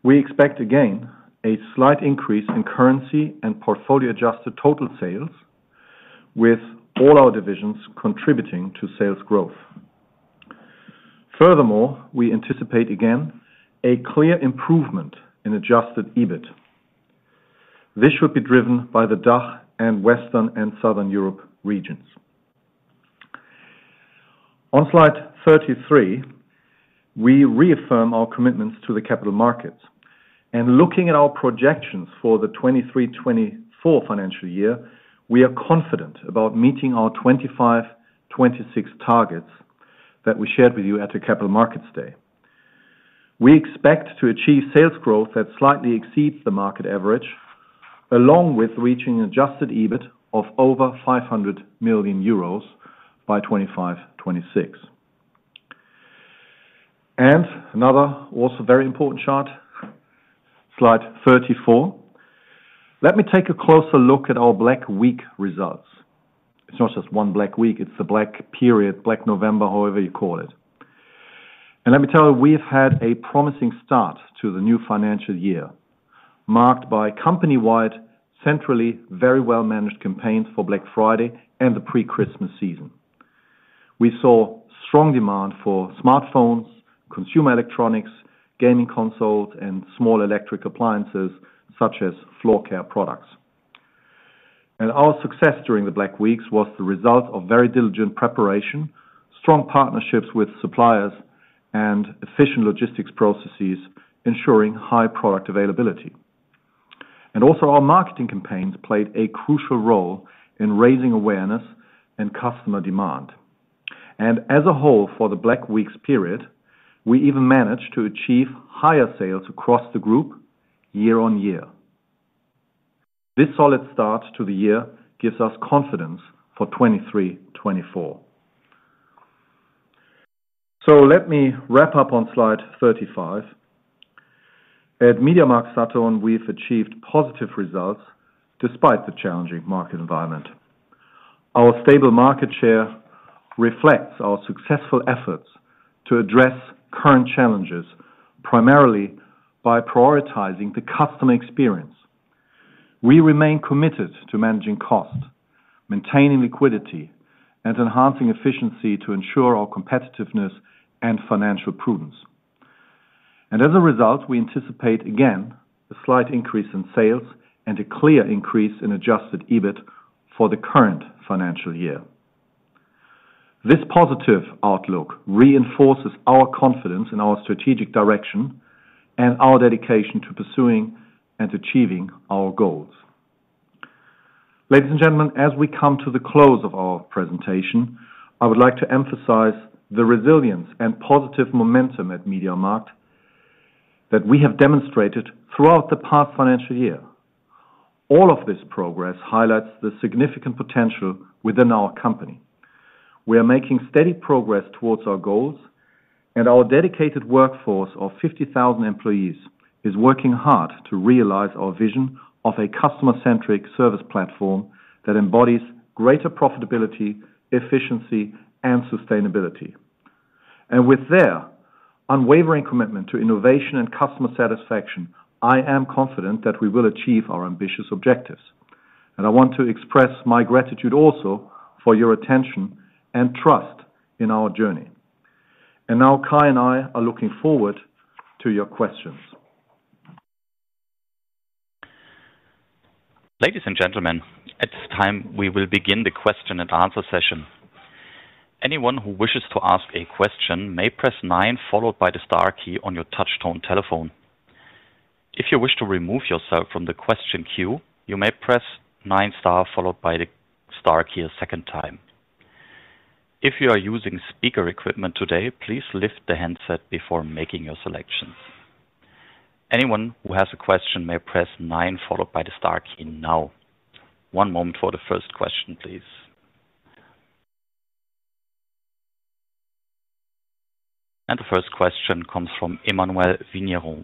We expect, again, a slight increase in currency and portfolio-Adjusted total sales, with all our divisions contributing to sales growth. Furthermore, we anticipate, again, a clear improvement in Adjusted EBIT. This should be driven by the DACH and Western, and Southern Europe regions. On slide 33, we reaffirm our commitments to the capital markets, and looking at our projections for the 2023-2024 financial year, we are confident about meeting our 2025-2026 targets that we shared with you at the Capital Markets Day. We expect to achieve sales growth that slightly exceeds the market average, along with reaching an Adjusted EBIT of over 500 million euros by 2025-2026. Another also very important chart, slide 34. Let me take a closer look at our Black Week results. It's not just one Black Week, it's the Black period, Black November, however you call it. Let me tell you, we've had a promising start to the new financial year, marked by company-wide, centrally, very well-managed campaigns for Black Friday and the pre-Christmas season... We saw strong demand for smartphones, consumer electronics, gaming consoles, and small electric appliances, such as floor care products. Our success during the Black Weeks was the result of very diligent preparation, strong partnerships with suppliers, and efficient logistics processes, ensuring high product availability. Also, our marketing campaigns played a crucial role in raising awareness and customer demand. As a whole, for the Black Weeks period, we even managed to achieve higher sales across the group year-over-year. This solid start to the year gives us confidence for 2023, 2024. So let me wrap up on slide 35. At MediaMarktSaturn, we've achieved positive results despite the challenging market environment. Our stable market share reflects our successful efforts to address current challenges, primarily by prioritizing the customer experience. We remain committed to managing costs, maintaining liquidity, and enhancing efficiency to ensure our competitiveness and financial prudence. As a result, we anticipate, again, a slight increase in sales and a clear increase in Adjusted EBIT for the current financial year. This positive outlook reinforces our confidence in our strategic direction and our dedication to pursuing and achieving our goals. Ladies and gentlemen, as we come to the close of our presentation, I would like to emphasize the resilience and positive momentum at MediaMarkt that we have demonstrated throughout the past financial year. All of this progress highlights the significant potential within our company. We are making steady progress towards our goals, and our dedicated workforce of 50,000 employees is working hard to realize our vision of a customer-centric service platform that embodies greater profitability, efficiency, and sustainability. With their unwavering commitment to innovation and customer satisfaction, I am confident that we will achieve our ambitious objectives. I want to express my gratitude also for your attention and trust in our journey. Now Kai and I are looking forward to your questions. Ladies and gentlemen, at this time, we will begin the question and answer session. Anyone who wishes to ask a question may press nine, followed by the star key on your touchtone telephone. If you wish to remove yourself from the question queue, you may press nine star, followed by the star key a second time. If you are using speaker equipment today, please lift the handset before making your selections. Anyone who has a question may press nine, followed by the star key now. One moment for the first question, please. The first question comes from Emmanuelle Vigneron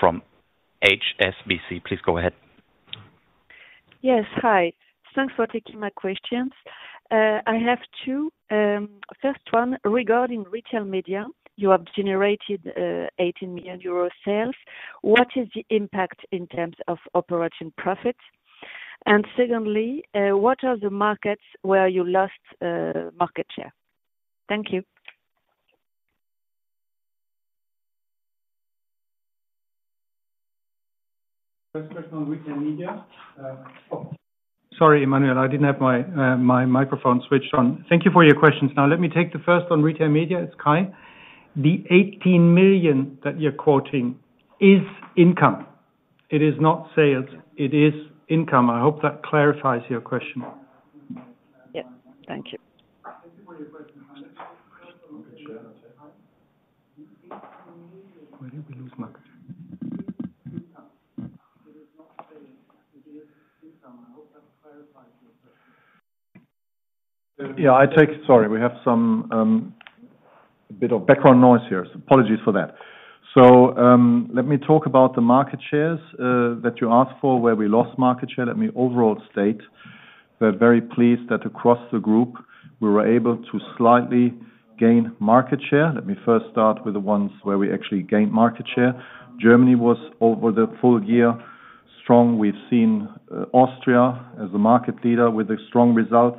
from HSBC. Please go ahead. Yes. Hi. Thanks for taking my questions. I have two. First one, regarding retail media, you have generated 18 million euros sales. What is the impact in terms of operating profits? And secondly, what are the markets where you lost market share? Thank you. First question on retail media. Sorry, Emmanuel, I didn't have my, my microphone switched on. Thank you for your questions. Now, let me take the first on retail media. It's Kai. The 18 million that you're quoting is income. It is not sales, it is income. I hope that clarifies your question. Yeah. Thank you. Thank you for your question, Emmanuel. Where did we lose market share? Income. It is not sales, it is income. I hope that clarifies your question. Sorry, we have some a bit of background noise here. Apologies for that. So, let me talk about the market shares that you asked for, where we lost market share. Let me overall state, we're very pleased that across the group, we were able to slightly gain market share. Let me first start with the ones where we actually gained market share. Germany was, over the full year, strong. We've seen, Austria as a market leader with a strong result,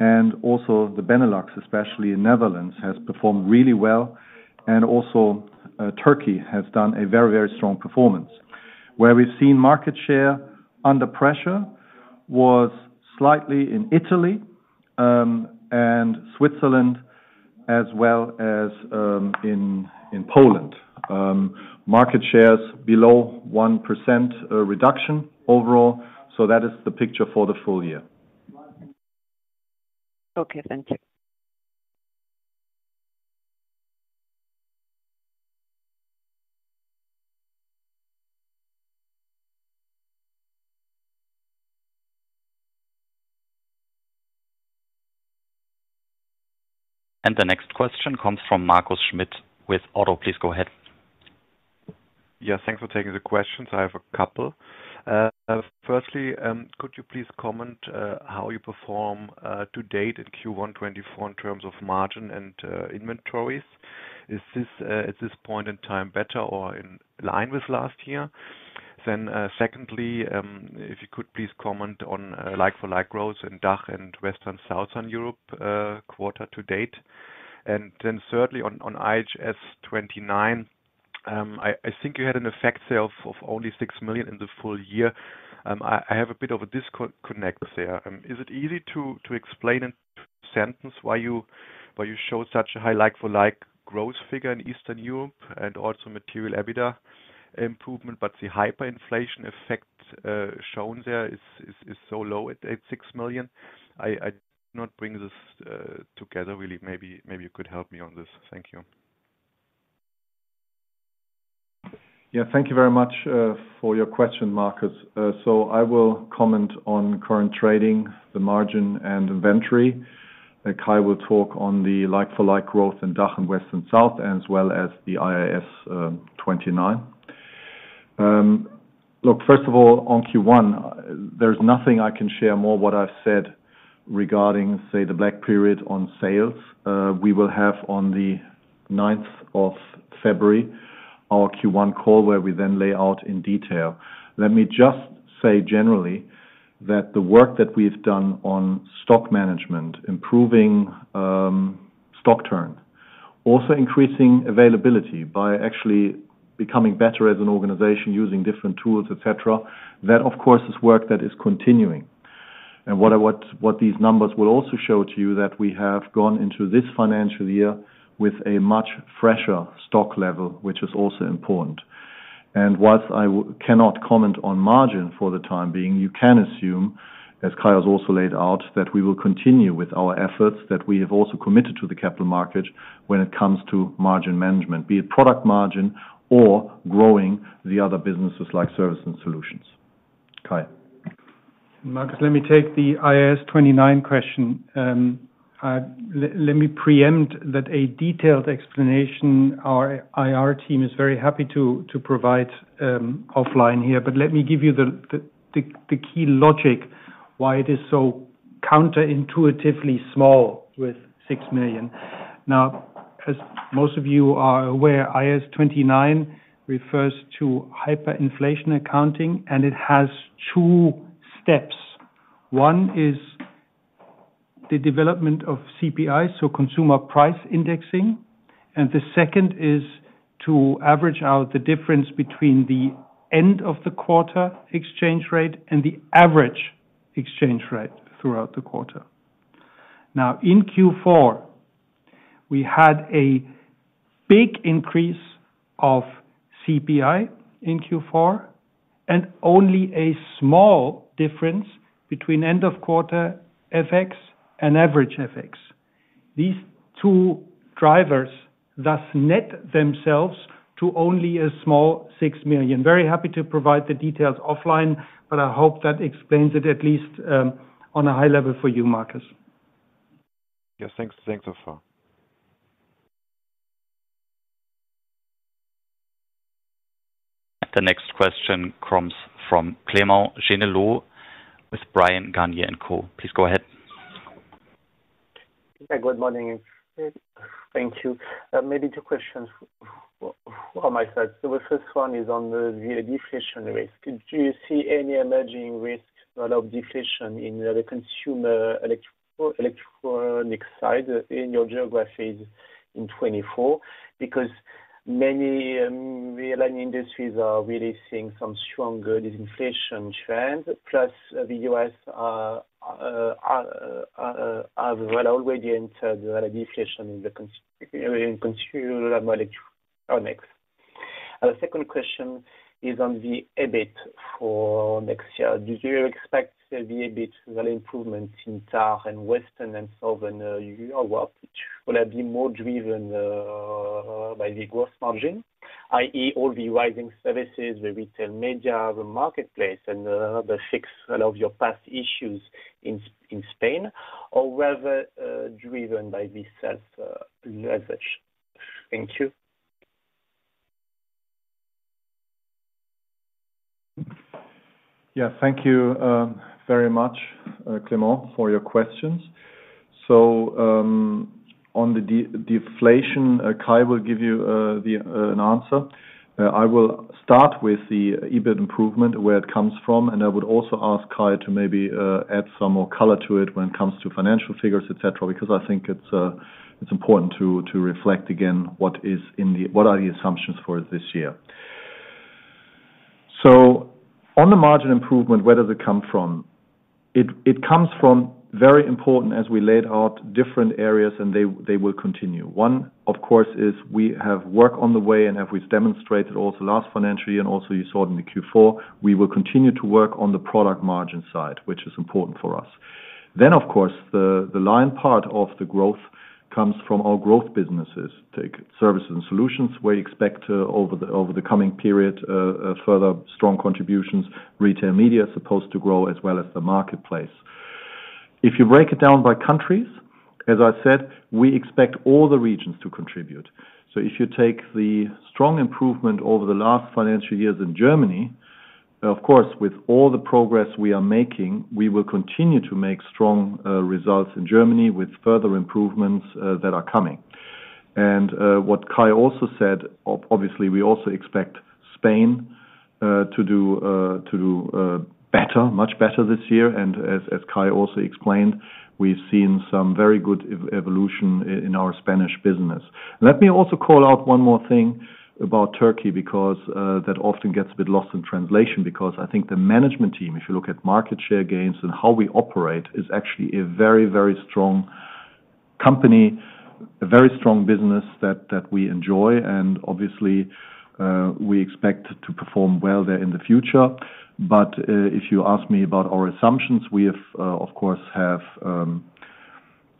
and also the Benelux, especially in Netherlands, has performed really well. And also, Turkey has done a very, very strong performance. Where we've seen market share under pressure was slightly in Italy, and Switzerland, as well as, in Poland. Market share's below 1%, reduction overall, so that is the picture for the full year. Okay, thank you. The next question comes from Marius Schmidt with ODDO. Please go ahead. Yeah, thanks for taking the questions. I have a couple. Firstly, could you please comment, how you perform, to date in Q1 2024 in terms of margin and, inventories? Is this, at this point in time, better or in line with last year? Then, secondly, if you could please comment on, like-for-like growth in DACH and Western Southern Europe, quarter to date. And then thirdly, on, on IAS 29, I think you had a positive effect of, only 6 million in the full year. I have a bit of a disconnect there. Is it easy to explain in sentence why you show such a high like-for-like growth figure in Eastern Europe and also material EBITDA improvement, but the hyperinflation effect shown there is so low at 6 million? I not bring this together really. Maybe you could help me on this. Thank you. Yeah, thank you very much for your question, Marius. So I will comment on current trading, the margin and inventory. Kai will talk on the Like-for-like growth in DACH and West and South, as well as the IAS 29. Look, first of all, on Q1, there's nothing I can share more what I've said regarding, say, the black period on sales. We will have on the ninth of February our Q1 call, where we then lay out in detail. Let me just say generally that the work that we've done on stock management, improving stock turn, also increasing availability by actually becoming better as an organization, using different tools, et cetera. That, of course, is work that is continuing. And what these numbers will also show to you that we have gone into this financial year with a much fresher stock level, which is also important. And while I cannot comment on margin for the time being, you can assume, as Kai has also laid out, that we will continue with our efforts, that we have also committed to the capital market when it comes to margin management, be it product margin or growing the other businesses like service and solutions. Kai? Marius, let me take the IAS 29 question. Let me preempt that a detailed explanation, our IR team is very happy to provide offline here. But let me give you the key logic why it is so counterintuitively small with 6 million. Now, as most of you are aware, IAS 29 refers to hyperinflation accounting, and it has two steps. One is the development of CPI, so consumer price indexing, and the second is to average out the difference between the end of the quarter exchange rate and the average exchange rate throughout the quarter. Now, in Q4, we had a big increase of CPI in Q4, and only a small difference between end of quarter FX and average FX. These two drivers thus net themselves to only a small 6 million. Very happy to provide the details offline, but I hope that explains it at least, on a high level for you, Marius. Yes, thanks. Thanks, so far. The next question comes from Clément Genelot with Bryan, Garnier and Co. Please go ahead. Hi, good morning. Thank you. Maybe two questions on my side. So the first one is on the deflation risk. Do you see any emerging risk of deflation in the consumer electronic side in your geographies in 2024? Because many retailing industries are really seeing some stronger disinflation trends, plus the U.S. are as well already entered the deflation in the in consumer electronics. The second question is on the EBIT for next year. Do you expect the EBIT value improvements in South and Western and Southern Europe, will that be more driven by the gross margin, i.e., all the rising services, the retail media, the marketplace, and the fix of your past issues in Spain, or whether driven by the sales leverage? Thank you. Yeah, thank you, very much, Clément, for your questions. So, on the deflation, Kai will give you the answer. I will start with the EBIT improvement, where it comes from, and I would also ask Kai to maybe add some more color to it when it comes to financial figures, et cetera, because I think it's important to reflect again, what is in the what are the assumptions for this year. So on the margin improvement, where does it come from? It comes from very important as we laid out different areas, and they will continue. 1, of course, is we have work on the way and have we demonstrated also last financial year, and also you saw it in the Q4, we will continue to work on the product margin side, which is important for us. Then, of course, the lion part of the growth comes from our growth businesses. Take services and solutions, we expect over the coming period a further strong contributions. Retail media is supposed to grow as well as the marketplace. If you break it down by countries, as I said, we expect all the regions to contribute. So if you take the strong improvement over the last financial years in Germany, of course, with all the progress we are making, we will continue to make strong results in Germany with further improvements that are coming. And what Kai also said, obviously we also expect Spain to do better, much better this year. And as Kai also explained, we've seen some very good evolution in our Spanish business. Let me also call out one more thing about Turkey, because that often gets a bit lost in translation, because I think the management team, if you look at market share gains and how we operate, is actually a very, very strong company. A very strong business that we enjoy and obviously we expect to perform well there in the future. But, if you ask me about our assumptions, we have, of course,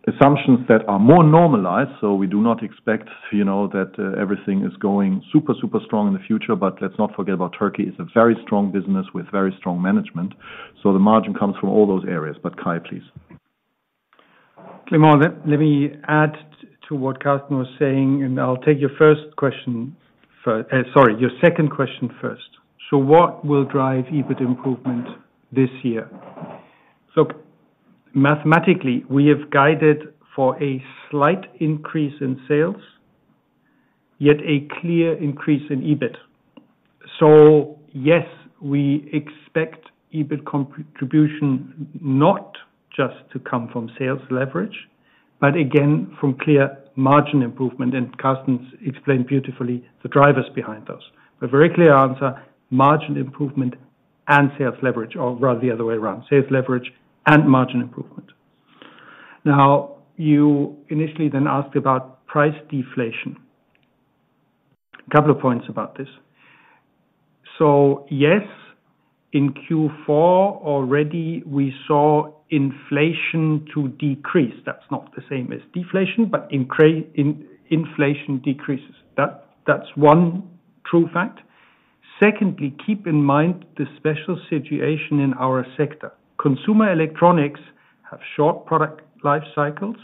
assumptions that are more normalized, so we do not expect, you know, that everything is going super, super strong in the future. But let's not forget about Turkey. It's a very strong business with very strong management, so the margin comes from all those areas. But Kai, please. Clément, let me add to what Karsten was saying, and I'll take your first question first sorry, your second question first. So what will drive EBIT improvement this year? So mathematically, we have guided for a slight increase in sales, yet a clear increase in EBIT. So yes, we expect EBIT contribution, not just to come from sales leverage, but again, from clear margin improvement, and Karsten explained beautifully the drivers behind those. But very clear answer, margin improvement and sales leverage, or rather the other way around, sales leverage and margin improvement. Now, you initially then asked about price deflation. A couple of points about this. So yes, in Q4 already, we saw inflation to decrease. That's not the same as deflation, but inflation decreases. That's one true fact. Secondly, keep in mind the special situation in our sector. Consumer electronics have short product life cycles,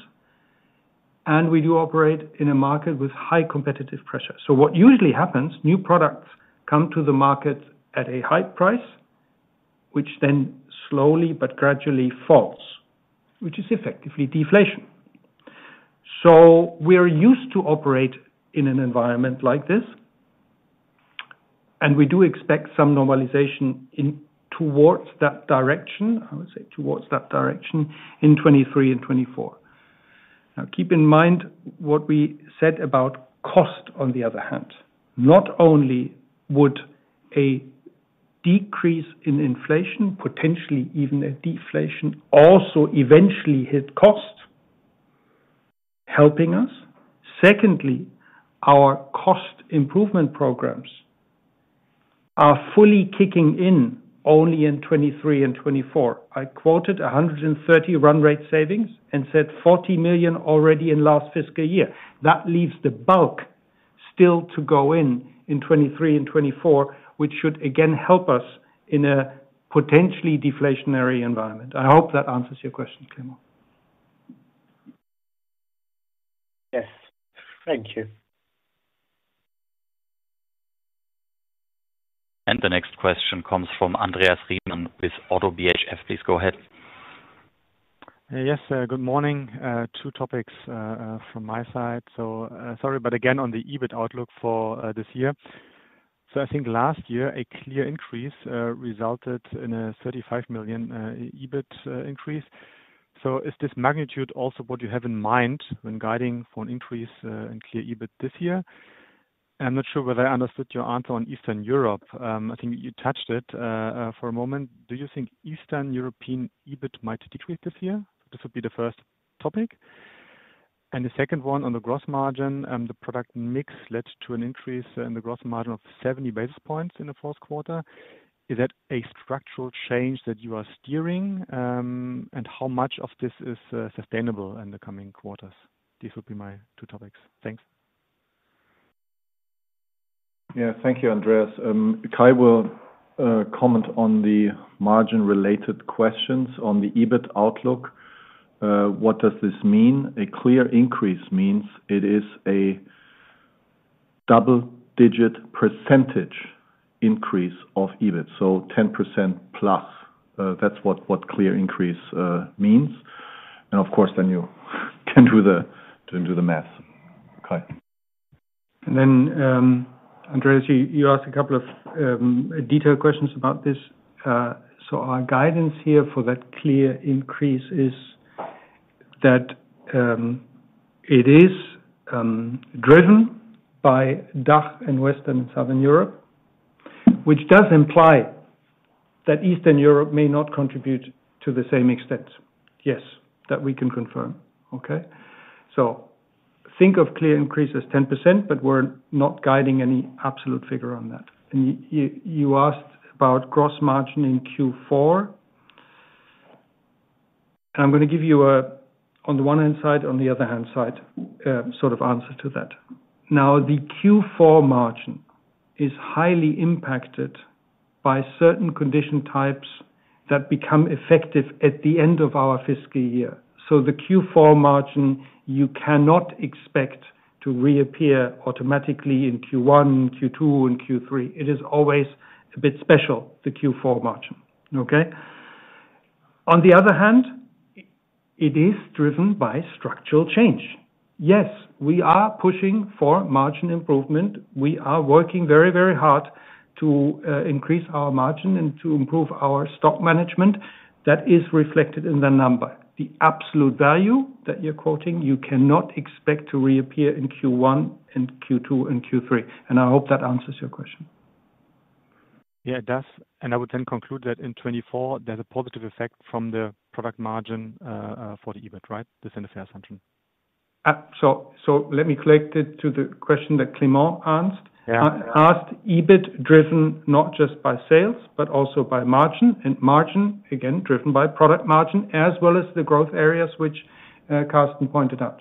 and we do operate in a market with high competitive pressure. So what usually happens, new products come to the market at a high price, which then slowly but gradually falls, which is effectively deflation. So we are used to operate in an environment like this, and we do expect some normalization towards that direction, I would say towards that direction, in 2023 and 2024. Now, keep in mind what we said about cost on the other hand, not only would a decrease in inflation, potentially even a deflation, also eventually hit cost, helping us. Secondly, our cost improvement programs are fully kicking in only in 2023 and 2024. I quoted 130 run rate savings and said 40 million already in last fiscal year. That leaves the bulk still to go in, in 2023 and 2024, which should again, help us in a potentially deflationary environment. I hope that answers your question, Clément. Yes. Thank you. The next question comes from Andreas Riemann with ODDO BHF. Please go ahead. Yes, good morning. Two topics from my side. So, sorry, but again, on the EBIT outlook for this year. So I think last year, a clear increase resulted in a 35 million EBIT increase. So is this magnitude also what you have in mind when guiding for an increase in clear EBIT this year? I'm not sure whether I understood your answer on Eastern Europe. I think you touched it for a moment. Do you think Eastern European EBIT might decrease this year? This would be the first topic. And the second one on the gross margin, the product mix led to an increase in the gross margin of 70 basis points in the fourth quarter. Is that a structural change that you are steering? How much of this is sustainable in the coming quarters? These would be my two topics. Thanks. Yeah. Thank you, Andreas. Kai will comment on the margin-related questions on the EBIT outlook. What does this mean? A clear increase means it is a double-digit percentage increase of EBIT, so 10% plus. That's what clear increase means. And of course, then you can do the math. Kai. Then, Andreas, you asked a couple of detailed questions about this. So our guidance here for that clear increase is that it is driven by DACH and Western and Southern Europe, which does imply that Eastern Europe may not contribute to the same extent. Yes, that we can confirm. Okay? So think of clear increase as 10%, but we're not guiding any absolute figure on that. And you asked about gross margin in Q4. I'm gonna give you a on the one hand side, on the other hand side, sort of answer to that. Now, the Q4 margin is highly impacted by certain condition types that become effective at the end of our fiscal year. So the Q4 margin, you cannot expect to reappear automatically in Q1, Q2, and Q3. It is always a bit special, the Q4 margin. Okay? ...On the other hand, it is driven by structural change. Yes, we are pushing for margin improvement. We are working very, very hard to increase our margin and to improve our stock management. That is reflected in the number. The absolute value that you're quoting, you cannot expect to reappear in Q1 and Q2 and Q3, and I hope that answers your question. Yeah, it does. And I would then conclude that in 2024, there's a positive effect from the product margin, for the EBIT, right? This is a fair assumption. So let me connect it to the question that Clément asked. Yeah. Asked, EBIT driven not just by sales, but also by margin, and margin, again, driven by product margin as well as the growth areas which Karsten pointed out.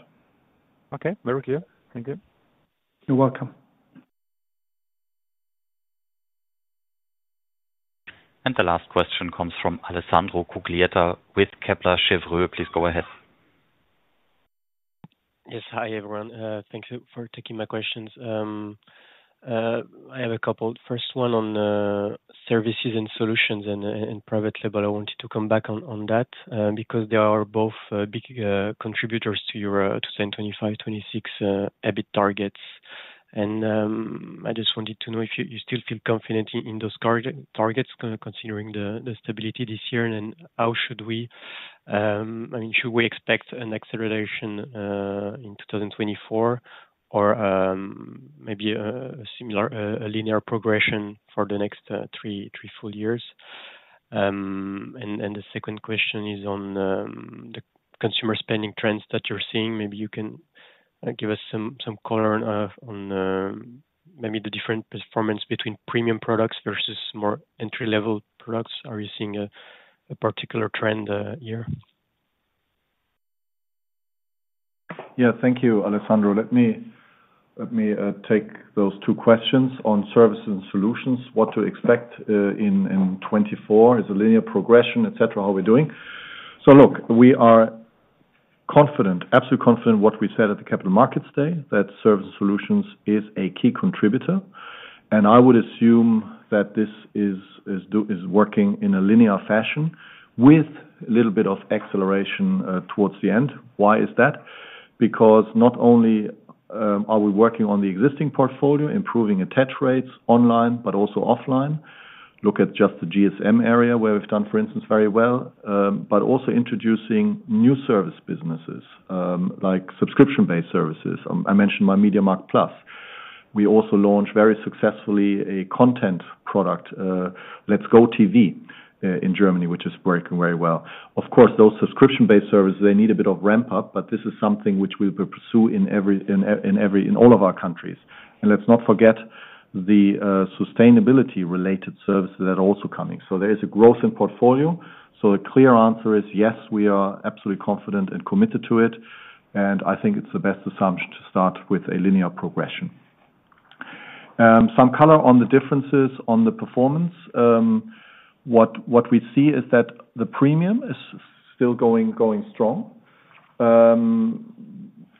Okay. Very clear. Thank you. You're welcome. The last question comes from Alessandro Cuglietta with Kepler Cheuvreux. Please go ahead. Yes. Hi, everyone. Thank you for taking my questions. I have a couple. First one on services and solutions and private label. I wanted to come back on that, because they are both big contributors to your 2025-26 EBIT targets. And I just wanted to know if you still feel confident in those targets, considering the stability this year, and then how should we, I mean, should we expect an acceleration in 2024, or maybe a similar linear progression for the next three full years? And the second question is on the consumer spending trends that you're seeing. Maybe you can give us some color on maybe the different performance between premium products versus more entry-level products. Are you seeing a particular trend here? Yeah. Thank you, Alessandro. Let me take those two questions on services and solutions. What to expect in 2024? Is it a linear progression, et cetera, how we're doing? So look, we are confident, absolutely confident in what we said at the Capital Markets Day, that service and solutions is a key contributor. And I would assume that this is working in a linear fashion with a little bit of acceleration towards the end. Why is that? Because not only are we working on the existing portfolio, improving attach rates online, but also offline. Look at just the GSM area, where we've done, for instance, very well, but also introducing new service businesses, like subscription-based services. I mentioned my MediaMarkt+. We also launched, very successfully, a content product, Let's Go TV, in Germany, which is working very well. Of course, those subscription-based services, they need a bit of ramp up, but this is something which we will pursue in every, in all of our countries. Let's not forget the sustainability-related services that are also coming. There is a growth in portfolio. The clear answer is, yes, we are absolutely confident and committed to it, and I think it's the best assumption to start with a linear progression. Some color on the differences on the performance. What we see is that the premium is still going strong.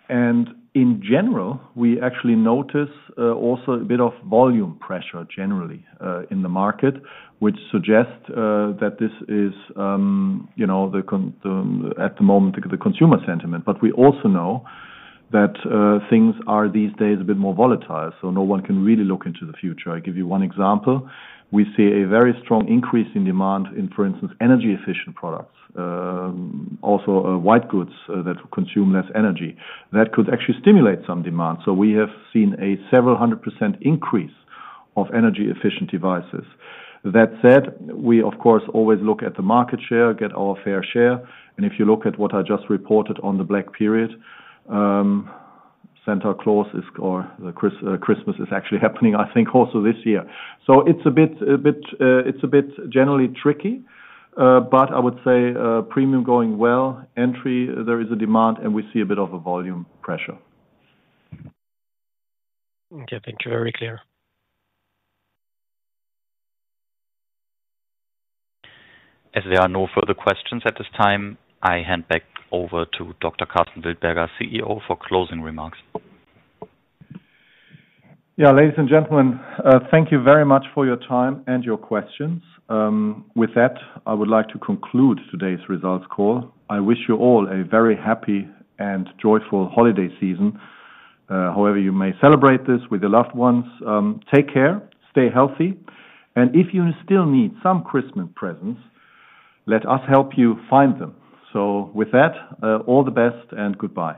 And in general, we actually notice also a bit of volume pressure generally in the market, which suggests that this is, you know, at the moment, the consumer sentiment. But we also know that things are, these days, a bit more volatile, so no one can really look into the future. I'll give you one example. We see a very strong increase in demand in, for instance, energy-efficient products, also white goods that consume less energy. That could actually stimulate some demand. So we have seen a several hundred percent increase of energy-efficient devices. That said, we, of course, always look at the market share, get our fair share, and if you look at what I just reported on the Black period, Santa Claus is, or Christmas is actually happening, I think, also this year. So it's a bit, a bit generally tricky, but I would say, premium going well. Entry, there is a demand, and we see a bit of a volume pressure. Okay. Thank you. Very clear. As there are no further questions at this time, I hand back over to Dr. Karsten Wildberger, CEO, for closing remarks. Yeah, ladies and gentlemen, thank you very much for your time and your questions. With that, I would like to conclude today's results call. I wish you all a very happy and joyful holiday season, however you may celebrate this with your loved ones. Take care, stay healthy, and if you still need some Christmas presents, let us help you find them. So with that, all the best, and goodbye.